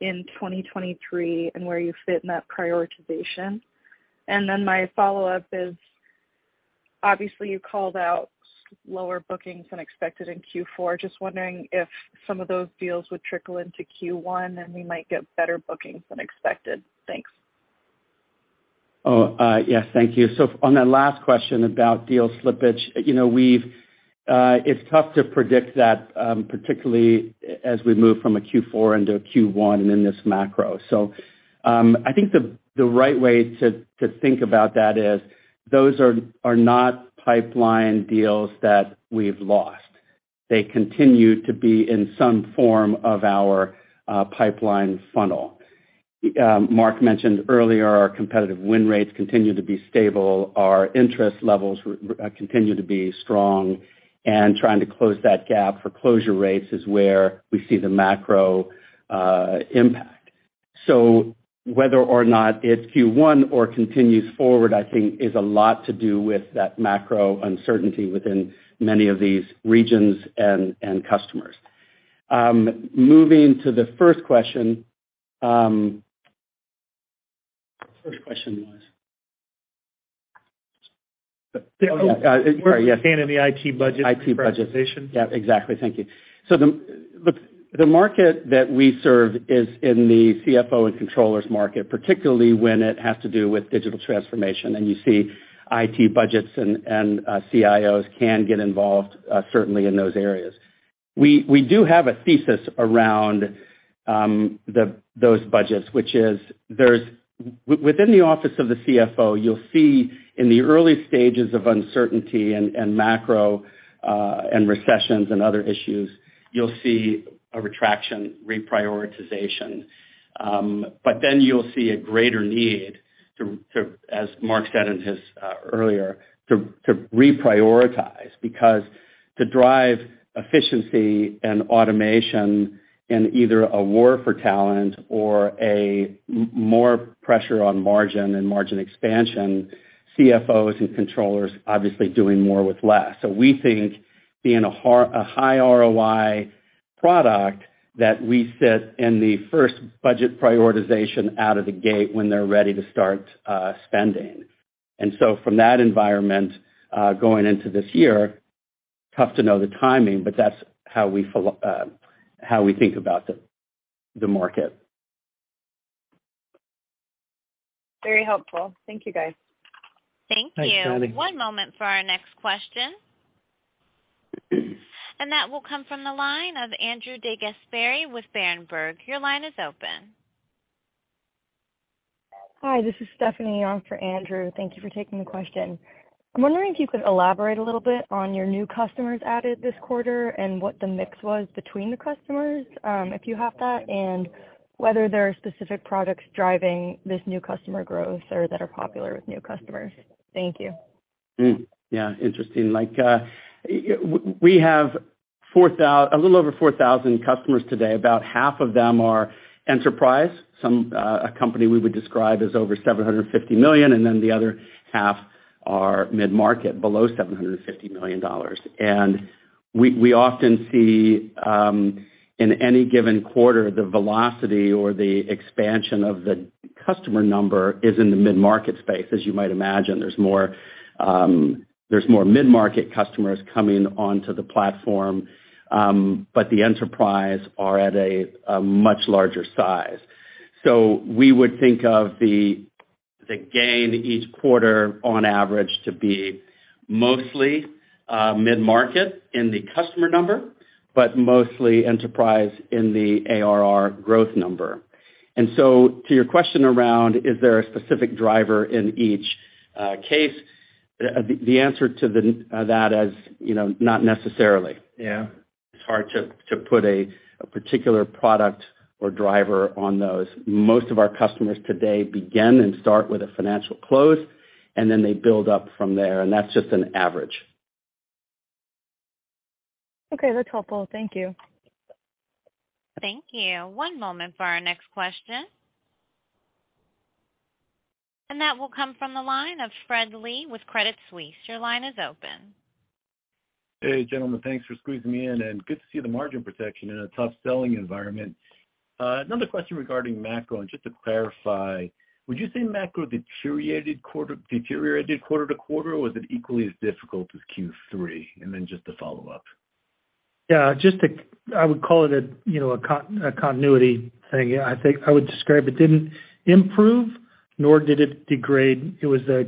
in 2023 and where you fit in that prioritization. My follow-up is, obviously, you called out lower bookings than expected in Q4. Just wondering if some of those deals would trickle into Q1, and we might get better bookings than expected. Thanks. Yes. Thank you. On that last question about deal slippage, you know, it's tough to predict that, particularly as we move from a Q4 into a Q1 and in this macro. I think the right way to think about that is those are not pipeline deals that we've lost. They continue to be in some form of our pipeline funnel. Mark mentioned earlier our competitive win rates continue to be stable, our interest levels continue to be strong, and trying to close that gap for closure rates is where we see the macro impact. Whether or not it's Q1 or continues forward, I think is a lot to do with that macro uncertainty within many of these regions and customers. Moving to the first question. First question was? Oh, sorry, yes. Understanding the IT budget and prioritization. IT budget. Yeah, exactly. Thank you. Look, the market that we serve is in the CFO and controllers market, particularly when it has to do with digital transformation. You see IT budgets and CIOs can get involved certainly in those areas. We do have a thesis around those budgets, which is Within the office of the CFO, you'll see in the early stages of uncertainty and macro and recessions and other issues, you'll see a retraction reprioritization. You'll see a greater need to, as Marc said in his earlier, to reprioritize. To drive efficiency and automation in either a war for talent or a more pressure on margin and margin expansion, CFOs and controllers obviously doing more with less. We think being a high ROI product that we sit in the first budget prioritization out of the gate when they're ready to start, spending. From that environment, going into this year, tough to know the timing, but that's how we how we think about the market. Very helpful. Thank you, guys. Thank you. Thanks, Jenny. One moment for our next question. That will come from the line of Andrew DeGasperi with Berenberg. Your line is open. Hi, this is Stephanie on for Andrew. Thank you for taking the question. I'm wondering if you could elaborate a little bit on your new customers added this quarter and what the mix was between the customers, if you have that, and whether there are specific products driving this new customer growth or that are popular with new customers. Thank you. Yeah, interesting. Like, we have a little over 4,000 customers today. About half of them are enterprise, some, a company we would describe as over $750 million, and then the other half are mid-market, below $750 million. We often see, in any given quarter, the velocity or the expansion of the customer number is in the mid-market space. As you might imagine, there's more mid-market customers coming onto the platform, but the enterprise are at a much larger size. We would think of the gain each quarter on average to be mostly mid-market in the customer number, but mostly enterprise in the ARR growth number. To your question around, is there a specific driver in each case, the answer to that is, you know, not necessarily. Yeah. It's hard to put a particular product or driver on those. Most of our customers today begin and start with a Financial Close, and then they build up from there, and that's just an average. Okay, that's helpful. Thank you. Thank you. One moment for our next question. That will come from the line of Fred Lee with Credit Suisse. Your line is open. Hey, gentlemen. Thanks for squeezing me in. Good to see the margin protection in a tough selling environment. Another question regarding macro. Just to clarify, would you say macro deteriorated quarter to quarter, or was it equally as difficult as Q3? Just a follow-up. Yeah, I would call it a, you know, a continuity thing. I think I would describe it didn't improve, nor did it degrade. It was a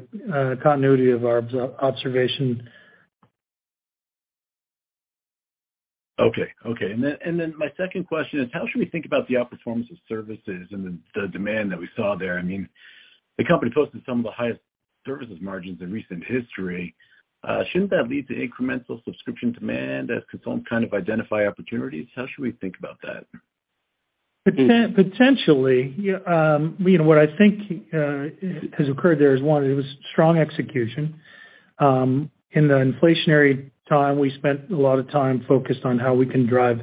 continuity of our observation. Okay. Then my second question is, how should we think about the outperformance of services and the demand that we saw there? I mean, the company posted some of the highest services margins in recent history. Shouldn't that lead to incremental subscription demand as consultants kind of identify opportunities? How should we think about that? Potentially, yeah, you know what I think has occurred there is, one, it was strong execution. In the inflationary time, we spent a lot of time focused on how we can drive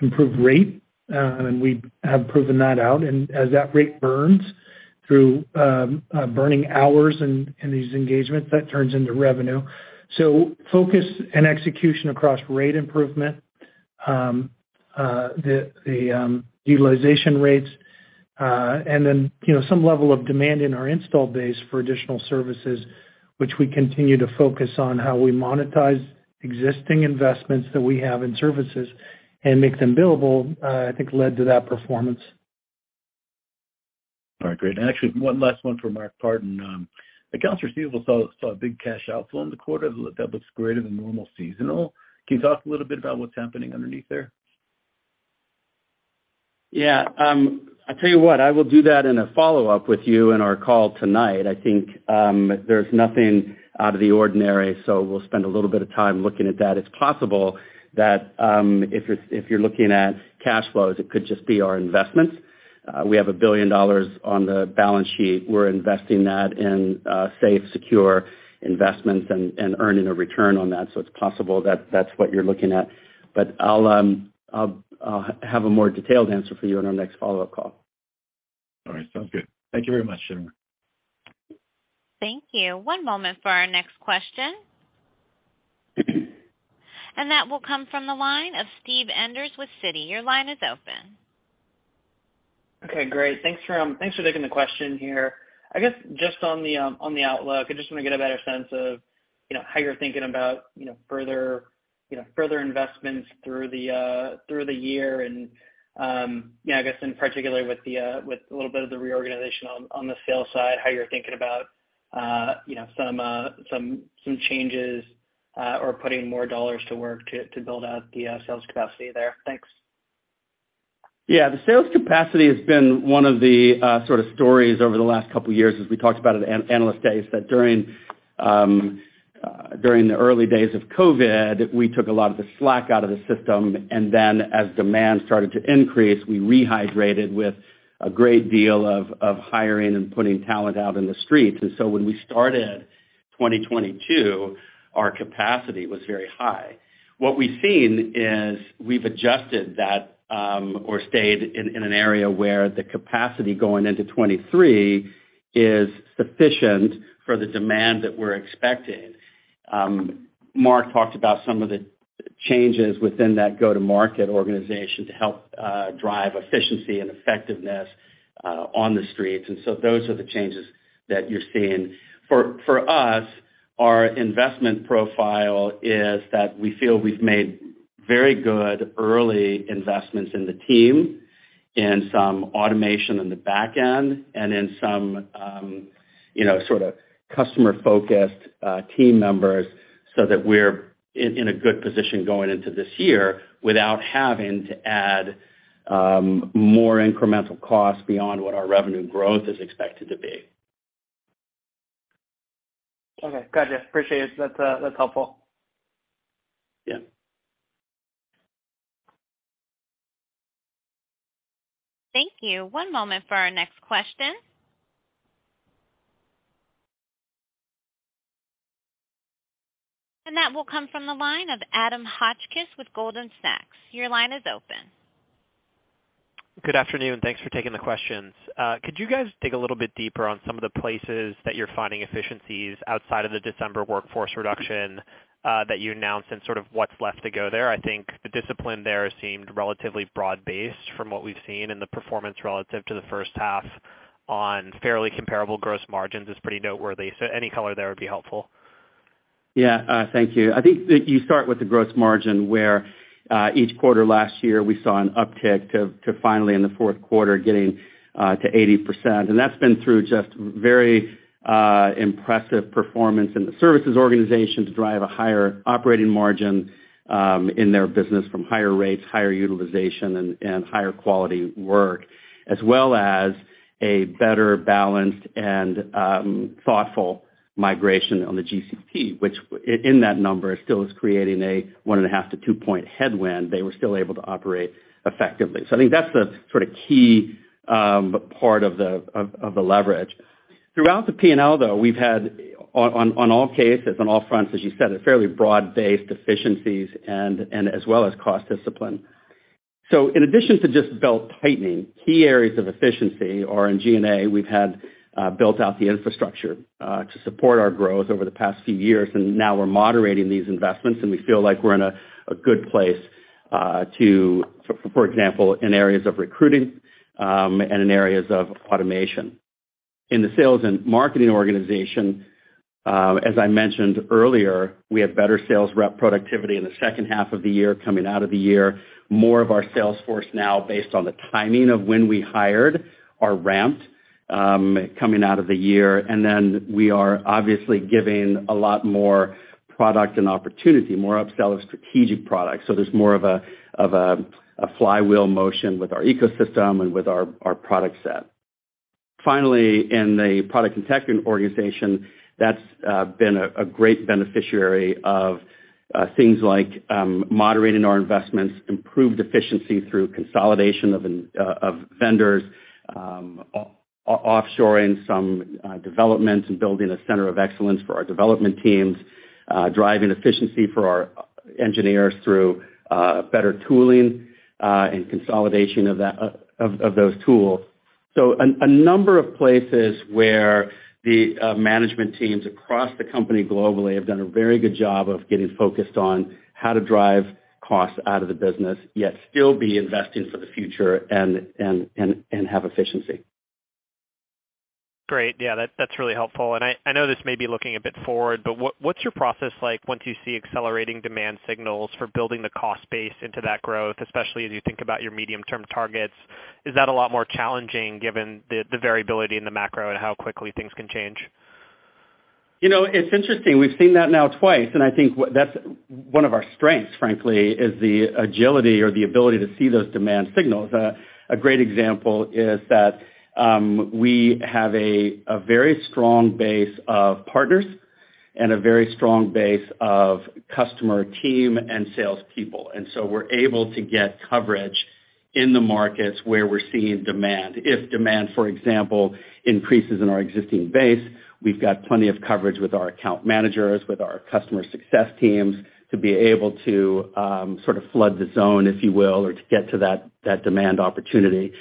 improved rate, and we have proven that out. As that rate burns through, burning hours in these engagements, that turns into revenue. Focus and execution across rate improvement, the utilization rates, and then, you know, some level of demand in our install base for additional services, which we continue to focus on how we monetize existing investments that we have in services and make them billable, I think led to that performance. All right, great. Actually, one last one for Mark Partin. accounts receivable saw a big cash outflow in the quarter. That looks greater than normal seasonal. Can you talk a little bit about what's happening underneath there? I tell you what, I will do that in a follow-up with you in our call tonight. I think, there's nothing out of the ordinary, so we'll spend a little bit of time looking at that. It's possible that, if you're looking at cash flows, it could just be our investments. We have $1 billion on the balance sheet. We're investing that in safe, secure investments and earning a return on that, so it's possible that that's what you're looking at. I'll have a more detailed answer for you on our next follow-up call. All right, sounds good. Thank you very much, gentlemen. Thank you. One moment for our next question. That will come from the line of Steve Enders with Citi. Your line is open. Okay, great. Thanks for, thanks for taking the question here. I guess just on the, on the outlook, I just wanna get a better sense of, you know, how you're thinking about, you know, further investments through the. Through the year, yeah, I guess in particular with the, with a little bit of the reorganization on the sales side, how you're thinking about, you know, some changes, or putting more dollars to work to build out the sales capacity there. Thanks. Yeah. The sales capacity has been one of the sort of stories over the last couple years as we talked about at Analyst Days, that during the early days of COVID, we took a lot of the slack out of the system, and then as demand started to increase, we rehydrated with a great deal of hiring and putting talent out in the streets. When we started 2022, our capacity was very high. What we've seen is we've adjusted that or stayed in an area where the capacity going into 2023 is sufficient for the demand that we're expecting. Mark talked about some of the changes within that go-to-market organization to help drive efficiency and effectiveness on the streets. Those are the changes that you're seeing. For us, our investment profile is that we feel we've made very good early investments in the team and some automation on the back end and in some, you know, sort of customer-focused team members so that we're in a good position going into this year without having to add more incremental costs beyond what our revenue growth is expected to be. Gotcha. Appreciate it. That's, that's helpful. Yeah. Thank you. One moment for our next question. That will come from the line of Adam Hotchkiss with Goldman Sachs. Your line is open. Good afternoon. Thanks for taking the questions. Could you guys dig a little bit deeper on some of the places that you're finding efficiencies outside of the December workforce reduction that you announced and sort of what's left to go there? I think the discipline there seemed relatively broad-based from what we've seen, and the performance relative to the first half on fairly comparable gross margins is pretty noteworthy. Any color there would be helpful. Thank you. I think that you start with the gross margin where each quarter last year we saw an uptick to finally in the fourth quarter getting to 80%. That's been through just very impressive performance in the services organization to drive a higher operating margin in their business from higher rates, higher utilization and higher quality work, as well as a better balanced and thoughtful migration on the GCP, which in that number still is creating a 1.5-2 point headwind, they were still able to operate effectively. I think that's the sort of key part of the leverage. Throughout the P&L though, we've had on all cases, on all fronts, as you said, a fairly broad-based efficiencies and as well as cost discipline. In addition to just belt-tightening, key areas of efficiency are in G&A. We've had built out the infrastructure to support our growth over the past few years, and now we're moderating these investments, and we feel like we're in a good place to, for example, in areas of recruiting, and in areas of automation. In the sales and marketing organization, as I mentioned earlier, we have better sales rep productivity in the second half of the year coming out of the year. More of our sales force now based on the timing of when we hired are ramped coming out of the year. Then we are obviously giving a lot more product and opportunity, more upsell of strategic products. There's more of a flywheel motion with our ecosystem and with our product set. Finally, in the product and tech organization, that's been a great beneficiary of things like moderating our investments, improved efficiency through consolidation of vendors, offshoring some development and building a center of excellence for our development teams, driving efficiency for our engineers through better tooling, and consolidation of those tools. A number of places where the management teams across the company globally have done a very good job of getting focused on how to drive costs out of the business, yet still be investing for the future and have efficiency. Great. Yeah. That's really helpful. I know this may be looking a bit forward, but what's your process like once you see accelerating demand signals for building the cost base into that growth, especially as you think about your medium-term targets? Is that a lot more challenging given the variability in the macro and how quickly things can change? You know, it's interesting. We've seen that now twice, and I think that's one of our strengths, frankly, is the agility or the ability to see those demand signals. A great example is that we have a very strong base of partners and a very strong base of customer team and salespeople. We're able to get coverage in the markets where we're seeing demand. If demand, for example, increases in our existing base, we've got plenty of coverage with our account managers, with our customer success teams to be able to sort of flood the zone, if you will, or to get to that demand opportunity.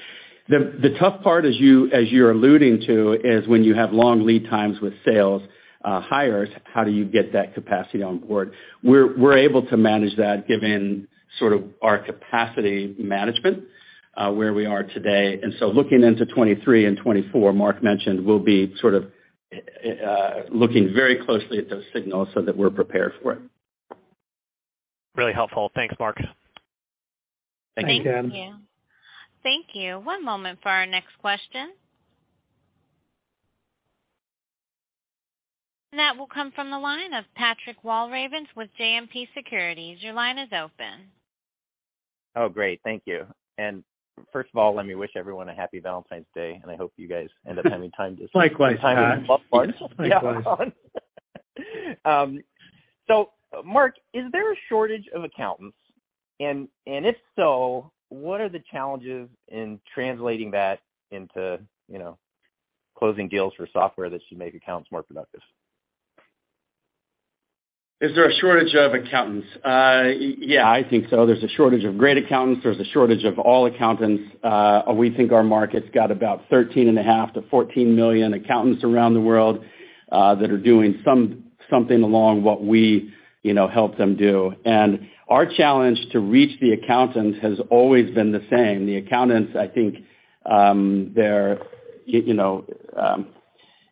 The tough part as you're alluding to, is when you have long lead times with sales hires, how do you get that capacity on board? We're able to manage that given sort of our capacity management, where we are today. Looking into 2023 and 2024, Mark mentioned we'll be sort of looking very closely at those signals so that we're prepared for it. Really helpful. Thanks, Mark. Thank you. Thanks, Adam. Thank you. Thank you. One moment for our next question. That will come from the line of Patrick Walravens with JMP Securities. Your line is open. Oh, great. Thank you. First of all, let me wish everyone a Happy Valentine's Day, and I hope you guys end up having time. Likewise, Pat. Mark, is there a shortage of accountants? And if so, what are the challenges in translating that into, you know, closing deals for software that should make accountants more productive? Is there a shortage of accountants? Yeah, I think so. There's a shortage of great accountants. There's a shortage of all accountants. We think our market's got about 13.5 to 14 million accountants around the world that are doing something along what we, you know, help them do. Our challenge to reach the accountants has always been the same. The accountants, I think, you know,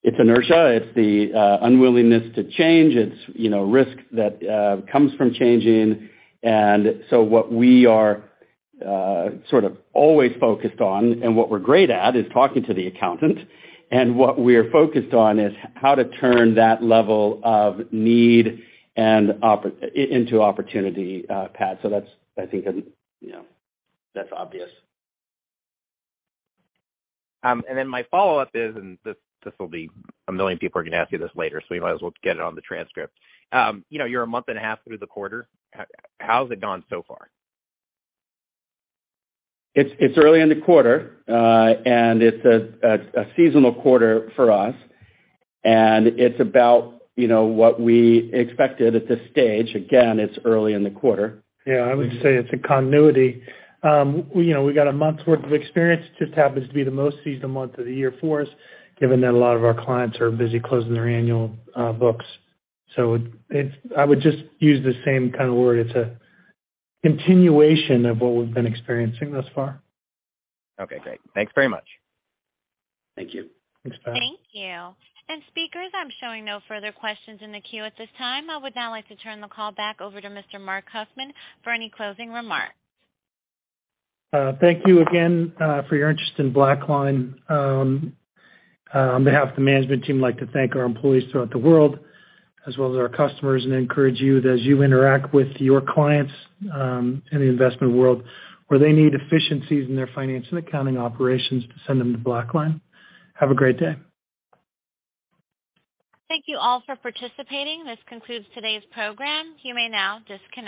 it's inertia. It's the unwillingness to change. It's, you know, risk that comes from changing. What we are sort of always focused on and what we're great at is talking to the accountant. What we're focused on is how to turn that level of need and into opportunity, Pat. That's, I think, you know, that's obvious. Then my follow-up is, this will be a million people are gonna ask you this later, so we might as well get it on the transcript. You know, you're a month and a half through the quarter. How's it gone so far? It's early in the quarter. It's a seasonal quarter for us. It's about, you know, what we expected at this stage. Again, it's early in the quarter. Yeah, I would say it's a continuity. We, you know, we got a month's worth of experience. Just happens to be the most seasonal month of the year for us, given that a lot of our clients are busy closing their annual books. I would just use the same kind of word. It's a continuation of what we've been experiencing thus far. Okay, great. Thanks very much. Thank you. Thanks, Pat. Thank you. Speakers, I'm showing no further questions in the queue at this time. I would now like to turn the call back over to Mr. Marc Huffman for any closing remarks. Thank you again, for your interest in BlackLine. On behalf of the management team, I'd like to thank our employees throughout the world, as well as our customers, and encourage you that as you interact with your clients, in the investment world, where they need efficiencies in their finance and accounting operations, send them to BlackLine. Have a great day. Thank you all for participating. This concludes today's program. You may now disconnect.